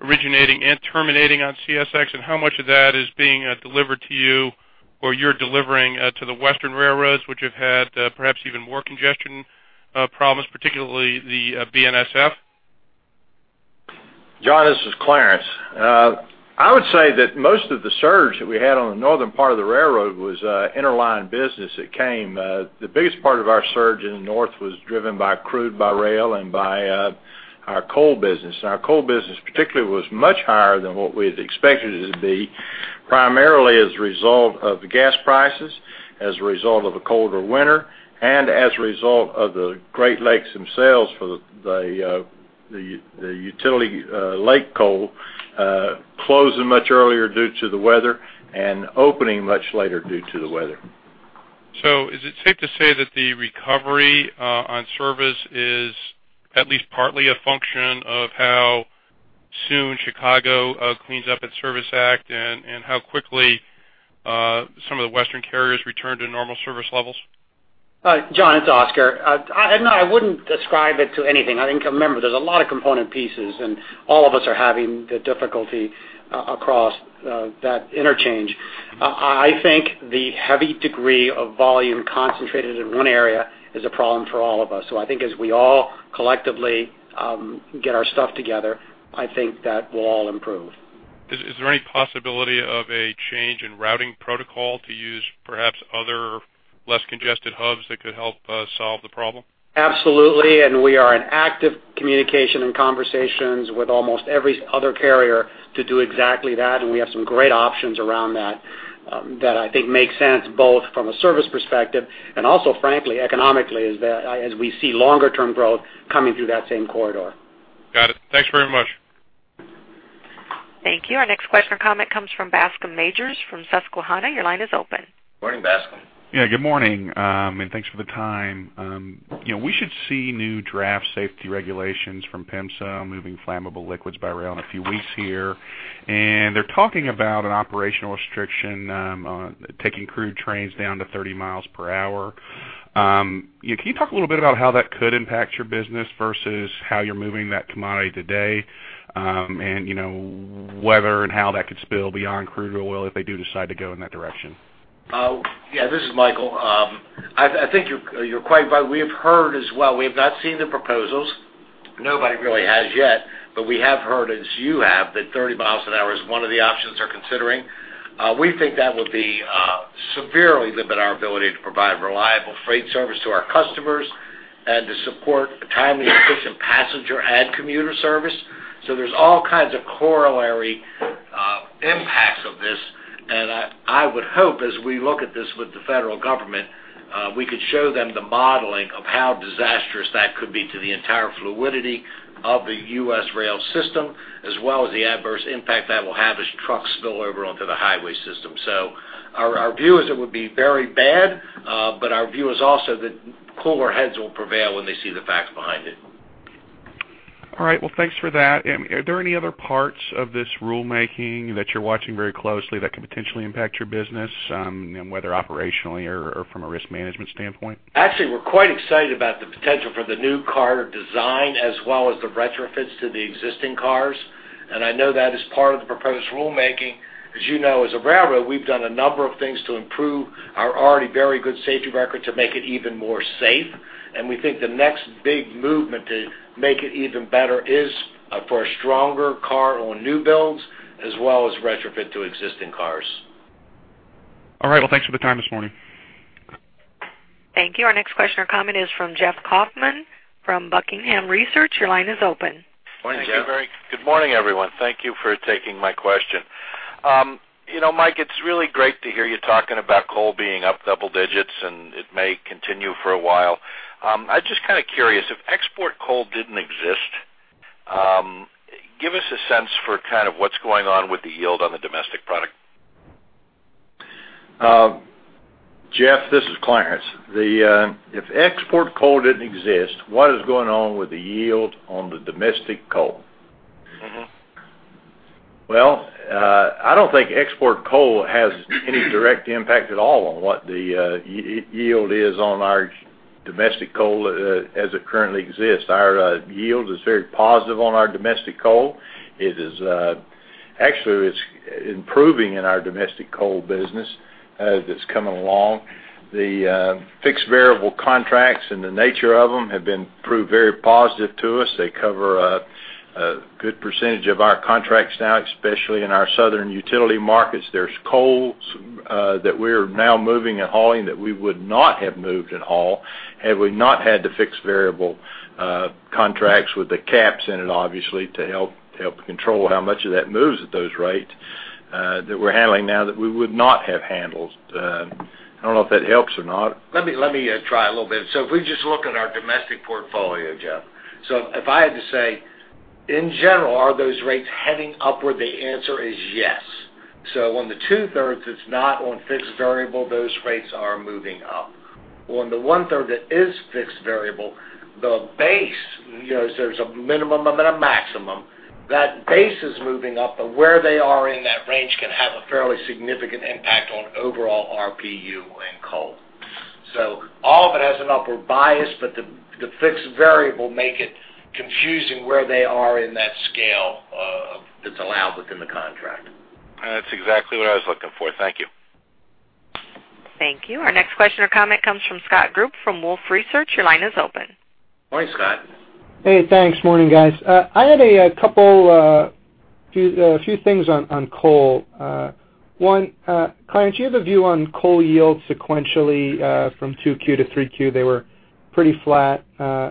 originating and terminating on CSX, and how much of that is being delivered to you or you're delivering to the western railroads, which have had perhaps even more congestion problems, particularly the BNSF? John, this is Clarence. I would say that most of the surge that we had on the northern part of the railroad was interline business that came. The biggest part of our surge in the north was driven by crude by rail and by our coal business. And our coal business, particularly, was much higher than what we had expected it to be, primarily as a result of the gas prices, as a result of a colder winter, and as a result of the Great Lakes themselves, for the utility lake coal closing much earlier due to the weather and opening much later due to the weather. Is it safe to say that the recovery on service is at least partly a function of how soon Chicago cleans up its service act and how quickly some of the western carriers return to normal service levels? John, it's Oscar. No, I wouldn't ascribe it to anything. I think, remember, there's a lot of component pieces, and all of us are having the difficulty across that interchange. I think the heavy degree of volume concentrated in one area is a problem for all of us. So I think as we all collectively get our stuff together, I think that we'll all improve. Is there any possibility of a change in routing protocol to use perhaps other less congested hubs that could help solve the problem? Absolutely, and we are in active communication and conversations with almost every other carrier to do exactly that, and we have some great options around that, that I think make sense, both from a service perspective and also, frankly, economically, as we see longer-term growth coming through that same corridor. Got it. Thanks very much. Thank you. Our next question or comment comes from Bascome Majors from Susquehanna. Your line is open. Morning, Bascome. Yeah, good morning, and thanks for the time. You know, we should see new draft safety regulations from PHMSA moving flammable liquids by rail in a few weeks here. And they're talking about an operational restriction on taking crude trains down to 30 miles per hour. Can you talk a little bit about how that could impact your business versus how you're moving that commodity today? And, you know, whether and how that could spill beyond crude oil if they do decide to go in that direction. Yeah, this is Michael. I think you're quite right. We have heard as well. We have not seen the proposals. Nobody really has yet, but we have heard, as you have, that 30 miles an hour is one of the options they're considering. We think that would be severely limit our ability to provide reliable freight service to our customers and to support a timely and efficient passenger and commuter service. So there's all kinds of corollary impacts of this, and I would hope, as we look at this with the federal government, we could show them the modeling of how disastrous that could be to the entire fluidity of the U.S. rail system, as well as the adverse impact that will have as trucks spill over onto the highway system. So our view is it would be very bad, but our view is also that cooler heads will prevail when they see the facts behind it. All right, well, thanks for that. Are there any other parts of this rulemaking that you're watching very closely that could potentially impact your business, whether operationally or, or from a risk management standpoint? Actually, we're quite excited about the potential for the new car design, as well as the retrofits to the existing cars, and I know that is part of the proposed rulemaking. As you know, as a railroad, we've done a number of things to improve our already very good safety record to make it even more safe. And we think the next big movement to make it even better is for a stronger car on new builds as well as retrofit to existing cars. All right, well, thanks for the time this morning. Thank you. Our next question or comment is from Jeff Kauffman from Buckingham Research. Your line is open. Morning, Jeff. Good morning, everyone. Thank you for taking my question. You know, Mike, it's really great to hear you talking about coal being up double digits, and it may continue for a while. I'm just kind of curious, if export coal didn't exist, give us a sense for kind of what's going on with the yield on the domestic product. Jeff, this is Clarence. Then, if export coal didn't exist, what is going on with the yield on the domestic coal? Mm-hmm. Well, I don't think export coal has any direct impact at all on what the yield is on our domestic coal, as it currently exists. Our yield is very positive on our domestic coal. It is actually, it's improving in our domestic coal business, that's coming along. The fixed-variable contracts and the nature of them have been proved very positive to us. They cover a good percentage of our contracts now, especially in our southern utility markets. There's coals that we're now moving and hauling that we would not have moved and haul had we not had the fixed-variable contracts with the caps in it, obviously, to help control how much of that moves at those rates that we're handling now that we would not have handled. I don't know if that helps or not. Let me try a little bit. So if we just look at our domestic portfolio, Jeff. So if I had to say, in general, are those rates heading upward? The answer is yes. So on the two-thirds, it's not on fixed variable, those rates are moving up. On the one-third, that is fixed variable, the base, you know, there's a minimum and a maximum. That base is moving up, but where they are in that range can have a fairly significant impact on overall RPU and coal. So all of it has an upward bias, but the, the fixed variable make it confusing where they are in that scale, that's allowed within the contract. That's exactly what I was looking for. Thank you. Thank you. Our next question or comment comes from Scott Group from Wolfe Research. Your line is open. Morning, Scott. Hey, thanks. Morning, guys. I had a few things on coal. One, Clarence, do you have a view on coal yield sequentially from 2Q to 3Q? They were pretty flat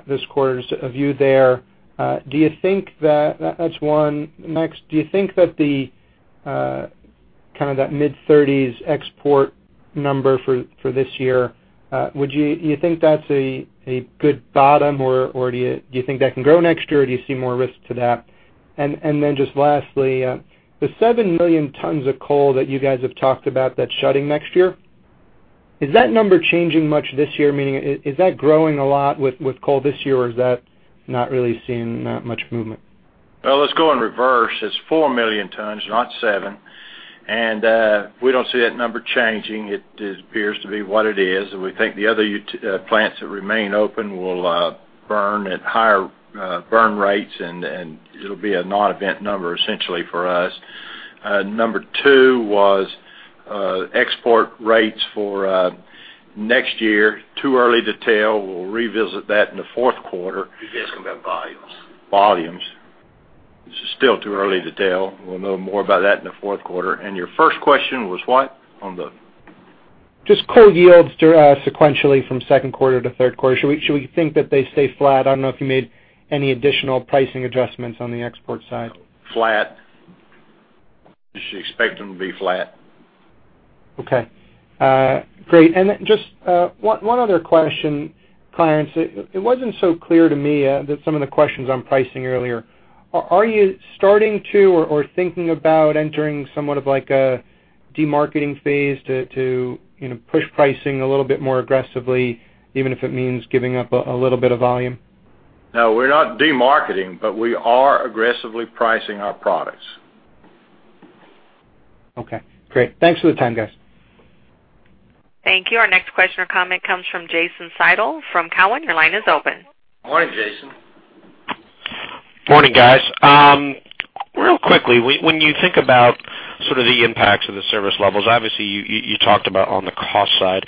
this quarter. Is there a view there. Do you think that, that's one. Next, do you think that the kind of that mid-30s export number for this year would you do you think that's a good bottom, or do you think that can grow next year, or do you see more risk to that? And then just lastly, the 7 million tons of coal that you guys have talked about that's shutting next year, is that number changing much this year? Meaning, is that growing a lot with coal this year, or is that not really seeing that much movement? Well, let's go in reverse. It's 4 million tons, not 7. And we don't see that number changing. It appears to be what it is, and we think the other plants that remain open will burn at higher burn rates, and it'll be a non-event number, essentially, for us. Number 2 was export rates for next year. Too early to tell. We'll revisit that in the fourth quarter. He's asking about volumes. Volumes. It's still too early to tell. We'll know more about that in the fourth quarter. Your first question was what? On the Just coal yields sequentially from second quarter to third quarter. Should we, should we think that they stay flat? I don't know if you made any additional pricing adjustments on the export side. Flat. We should expect them to be flat. Okay, great. And then just one other question, Clarence. It wasn't so clear to me that some of the questions on pricing earlier. Are you starting to or thinking about entering somewhat of like a demarketing phase to you know, push pricing a little bit more aggressively, even if it means giving up a little bit of volume? No, we're not demarketing, but we are aggressively pricing our products. Okay, great. Thanks for the time, guys. Thank you. Our next question or comment comes from Jason Seidl from Cowen. Your line is open. Morning, Jason. Morning, guys. Real quickly, when you think about sort of the impacts of the service levels, obviously, you talked about on the cost side,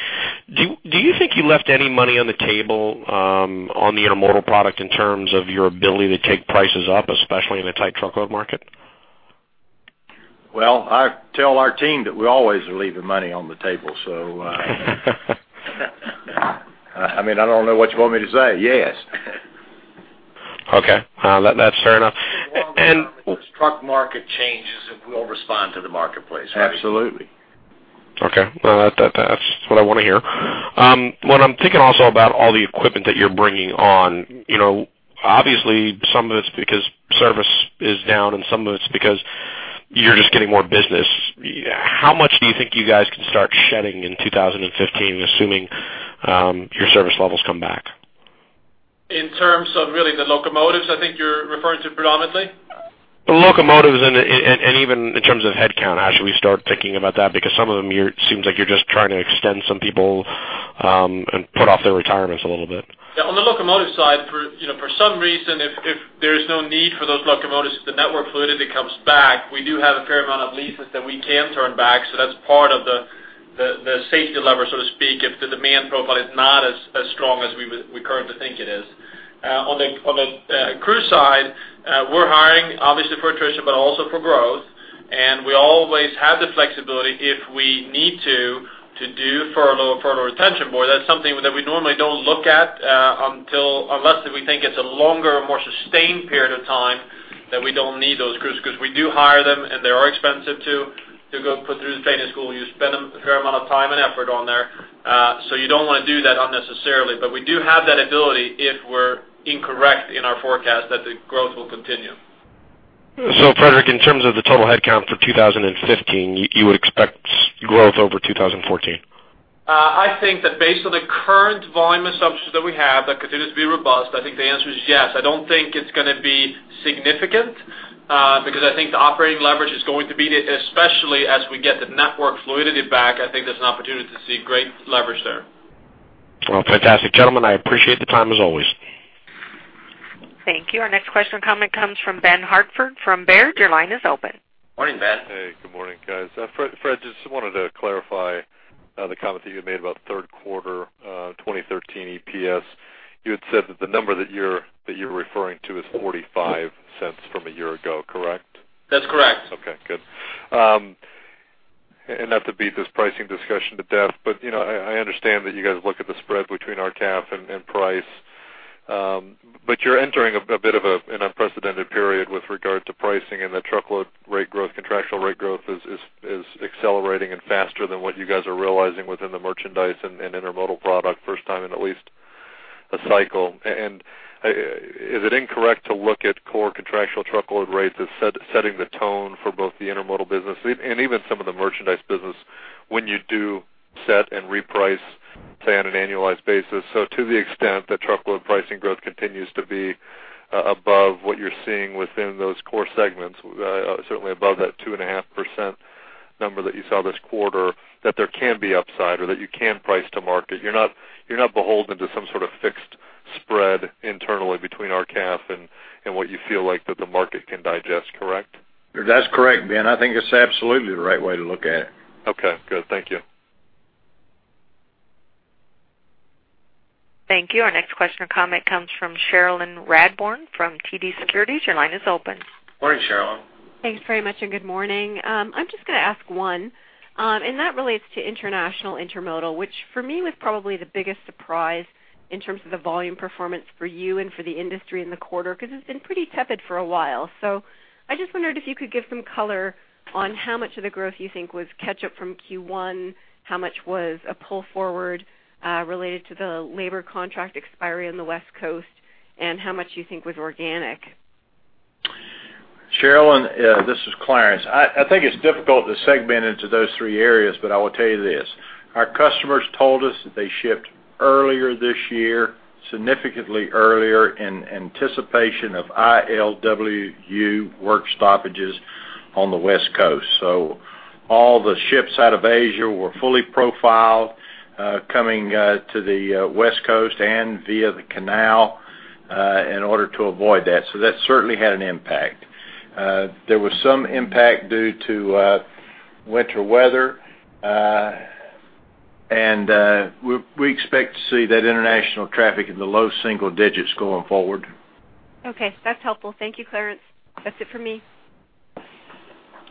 do you think you left any money on the table, on the intermodal product in terms of your ability to take prices up, especially in a tight truckload market? Well, I tell our team that we're always leaving money on the table, so, I mean, I don't know what you want me to say. Yes. Okay, that, that's fair enough. And truck market changes, and we'll respond to the marketplace. Absolutely. Okay. Well, that's what I want to hear. What I'm thinking also about all the equipment that you're bringing on, you know, obviously, some of it's because service is down and some of it's because you're just getting more business. How much do you think you guys can start shedding in 2015, assuming your service levels come back? In terms of really the locomotives, I think you're referring to predominantly? The locomotives and even in terms of headcount, how should we start thinking about that? Because some of them, seems like you're just trying to extend some people, and put off their retirements a little bit. Yeah, on the locomotive side, you know, for some reason, if there's no need for those locomotives, the network fluidity comes back, we do have a fair amount of leases that we can turn back. So that's part of the safety lever, so to speak, if the demand profile is not as strong as we would—we currently think it is. On the crew side, we're hiring obviously for attrition, but also for growth, and we always have the flexibility, if we need to, to do furloughs. Or retention board, that's something that we normally don't look at, until unless we think it's a longer, more sustained period of time, that we don't need those crews, because we do hire them, and they are expensive to go put through the training school. You spend a fair amount of time and effort on there, so you don't want to do that unnecessarily. But we do have that ability if we're incorrect in our forecast, that the growth will continue. Fredrik, in terms of the total headcount for 2015, you would expect growth over 2014? I think that based on the current volume assumptions that we have, that continues to be robust. I think the answer is yes. I don't think it's gonna be significant, because I think the operating leverage is going to be, especially as we get the network fluidity back. I think there's an opportunity to see great leverage there. Well, fantastic, gentlemen, I appreciate the time as always. Thank you. Our next question and comment comes from Ben Hartford from Baird. Your line is open. Morning, Ben. Hey, good morning, guys. Fred, Fred, just wanted to clarify, the comment that you made about third quarter, 2013 EPS. You had said that the number that you're, that you're referring to is $0.45 from a year ago, correct? That's correct. Okay, good. And not to beat this pricing discussion to death, but, you know, I understand that you guys look at the spread between RCAF and price. But you're entering a bit of an unprecedented period with regard to pricing and the truckload rate growth, contractual rate growth is accelerating and faster than what you guys are realizing within the merchandise and intermodal product, first time in at least a cycle. And is it incorrect to look at core contractual truckload rates as setting the tone for both the intermodal business and even some of the merchandise business, when you do set and reprice, say, on an annualized basis? So to the extent that truckload pricing growth continues to be above what you're seeing within those core segments, certainly above that 2.5% number that you saw this quarter, that there can be upside or that you can price to market. You're not, you're not beholden to some sort of fixed spread internally between RCAF and what you feel like that the market can digest, correct? That's correct, Ben. I think it's absolutely the right way to look at it. Okay, good. Thank you. Thank you. Our next question or comment comes from Cherilyn Radbourne from TD Securities. Your line is open. Morning, Cherilyn. Thanks very much, and good morning. I'm just gonna ask one, and that relates to international intermodal, which for me, was probably the biggest surprise in terms of the volume performance for you and for the industry in the quarter, because it's been pretty tepid for a while. So I just wondered if you could give some color on how much of the growth you think was catch up from Q1, how much was a pull forward, related to the labor contract expiry on the West Coast, and how much you think was organic? Cherilyn, this is Clarence. I think it's difficult to segment into those three areas, but I will tell you this: Our customers told us that they shipped earlier this year, significantly earlier, in anticipation of ILWU work stoppages on the West Coast. So all the ships out of Asia were fully profiled, coming to the West Coast and via the canal, in order to avoid that. So that certainly had an impact. There was some impact due to winter weather, and we expect to see that international traffic in the low single digits going forward. Okay, that's helpful. Thank you, Clarence. That's it for me.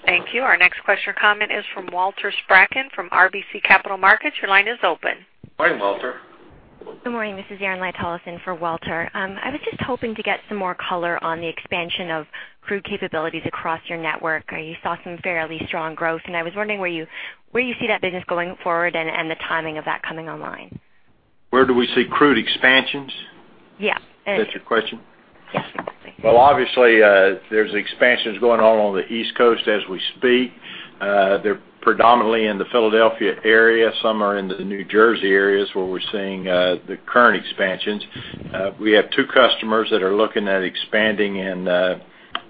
Thank you. Our next question comment is from Walter Spracklin, from RBC Capital Markets. Your line is open. Hi, Walter. Good morning. This is Erin Lightollison for Walter. I was just hoping to get some more color on the expansion of crude capabilities across your network. I saw some fairly strong growth, and I was wondering where you see that business going forward and the timing of that coming online. Where do we see crude expansions? Yes. That's your question? Yes. Well, obviously, there's expansions going on on the East Coast as we speak. They're predominantly in the Philadelphia area. Some are in the New Jersey areas where we're seeing the current expansions. We have two customers that are looking at expanding in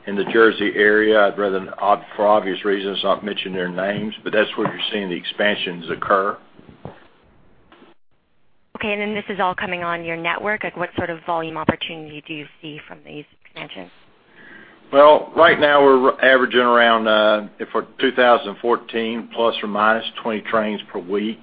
in the Jersey area. I'd rather, for obvious reasons, not mention their names, but that's where you're seeing the expansions occur. Okay, and then this is all coming on your network. Like, what sort of volume opportunity do you see from these expansions? Well, right now we're averaging around, for 2014, ±20 trains per week.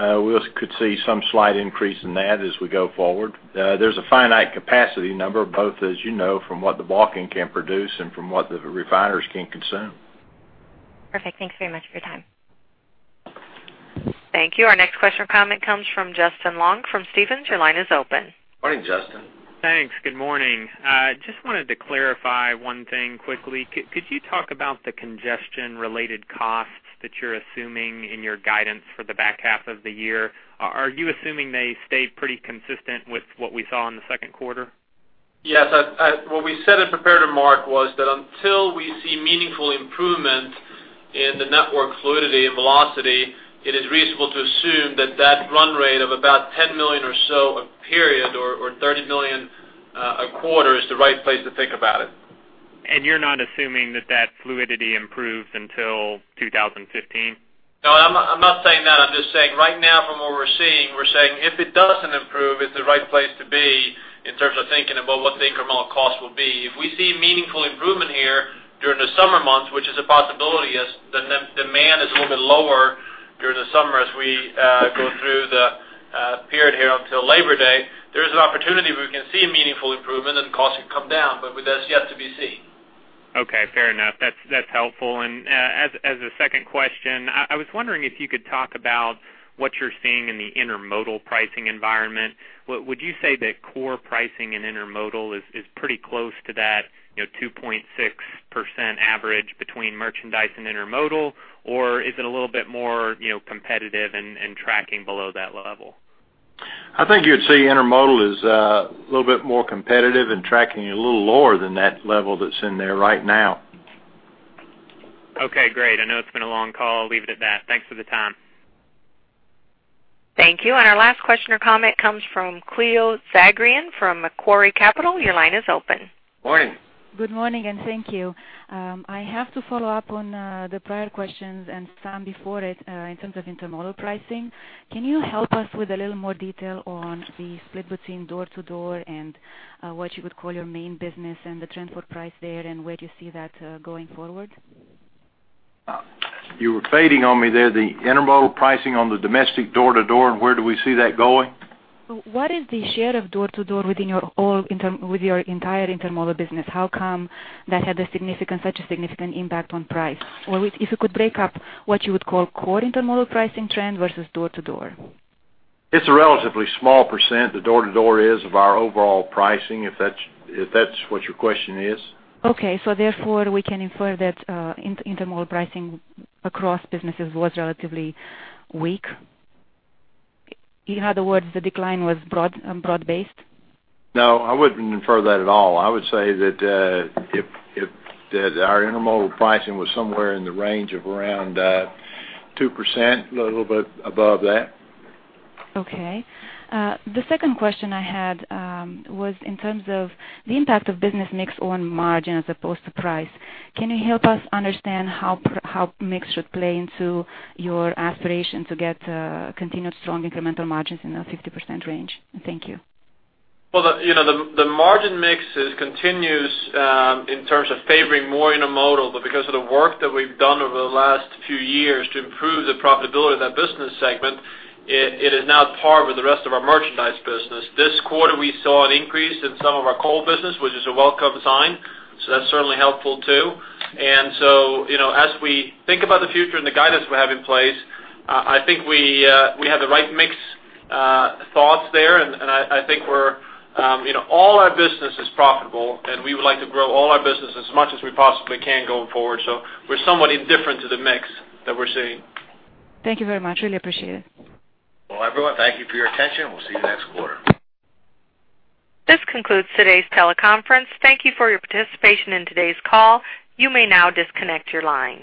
We could see some slight increase in that as we go forward. There's a finite capacity number, both, as you know, from what the Bakken can produce and from what the refiners can consume. Perfect. Thanks very much for your time. Thank you. Our next question or comment comes from Justin Long from Stephens. Your line is open. Morning, Justin. Thanks. Good morning. Just wanted to clarify one thing quickly. Could you talk about the congestion-related costs that you're assuming in your guidance for the back half of the year? Are you assuming they stayed pretty consistent with what we saw in the second quarter? Yes. What we said in prepared remark was that until we see meaningful improvement in the network fluidity and velocity, it is reasonable to assume that that run rate of about $10 million or so a period, or $30 million a quarter, is the right place to think about it. You're not assuming that, that fluidity improves until 2015? No, I'm not, I'm not saying that. I'm just saying right now, from what we're seeing, we're saying if it doesn't improve, it's the right place to be in terms of thinking about what the incremental cost will be. If we see meaningful improvement here during the summer months, which is a possibility, as the demand is a little bit lower during the summer as we go through the period here until Labor Day, there is an opportunity where we can see a meaningful improvement and costs can come down, but that's yet to be seen. Okay, fair enough. That's, that's helpful. And as a second question, I was wondering if you could talk about what you're seeing in the intermodal pricing environment. What would you say that core pricing in intermodal is pretty close to that, you know, 2.6% average between merchandise and intermodal? Or is it a little bit more, you know, competitive and tracking below that level? I think you'd see intermodal is a little bit more competitive and tracking a little lower than that level that's in there right now. Okay, great. I know it's been a long call. I'll leave it at that. Thanks for the time. Thank you. And our last question or comment comes from Cleo Zagrean from Macquarie Capital. Your line is open. Morning! Good morning, and thank you. I have to follow up on the prior questions and some before it in terms of intermodal pricing. Can you help us with a little more detail on the split between door-to-door and what you would call your main business and the transport price there, and where do you see that going forward? You were fading on me there. The intermodal pricing on the domestic door-to-door, and where do we see that going? What is the share of door-to-door within your overall intermodal business? How come that had such a significant impact on price? Or if you could break up what you would call core intermodal pricing trend versus door-to-door. It's a relatively small percent, the door-to-door is, of our overall pricing, if that's, if that's what your question is. Okay. So therefore, we can infer that intermodal pricing across businesses was relatively weak. In other words, the decline was broad-based? No, I wouldn't infer that at all. I would say that if that our intermodal pricing was somewhere in the range of around 2%, a little bit above that. Okay. The second question I had was in terms of the impact of business mix on margin as opposed to price. Can you help us understand how mix should play into your aspiration to get continued strong incremental margins in the 50% range? Thank you. Well, you know, the margin mix continues in terms of favoring more intermodal, but because of the work that we've done over the last few years to improve the profitability of that business segment, it is now at par with the rest of our merchandise business. This quarter, we saw an increase in some of our coal business, which is a welcome sign, so that's certainly helpful, too. And so, you know, as we think about the future and the guidance we have in place, I think we have the right mix thoughts there, and I think we're, you know, all our business is profitable, and we would like to grow all our business as much as we possibly can going forward. So we're somewhat indifferent to the mix that we're seeing. Thank you very much. Really appreciate it. Well, everyone, thank you for your attention, and we'll see you next quarter. This concludes today's teleconference. Thank you for your participation in today's call. You may now disconnect your line.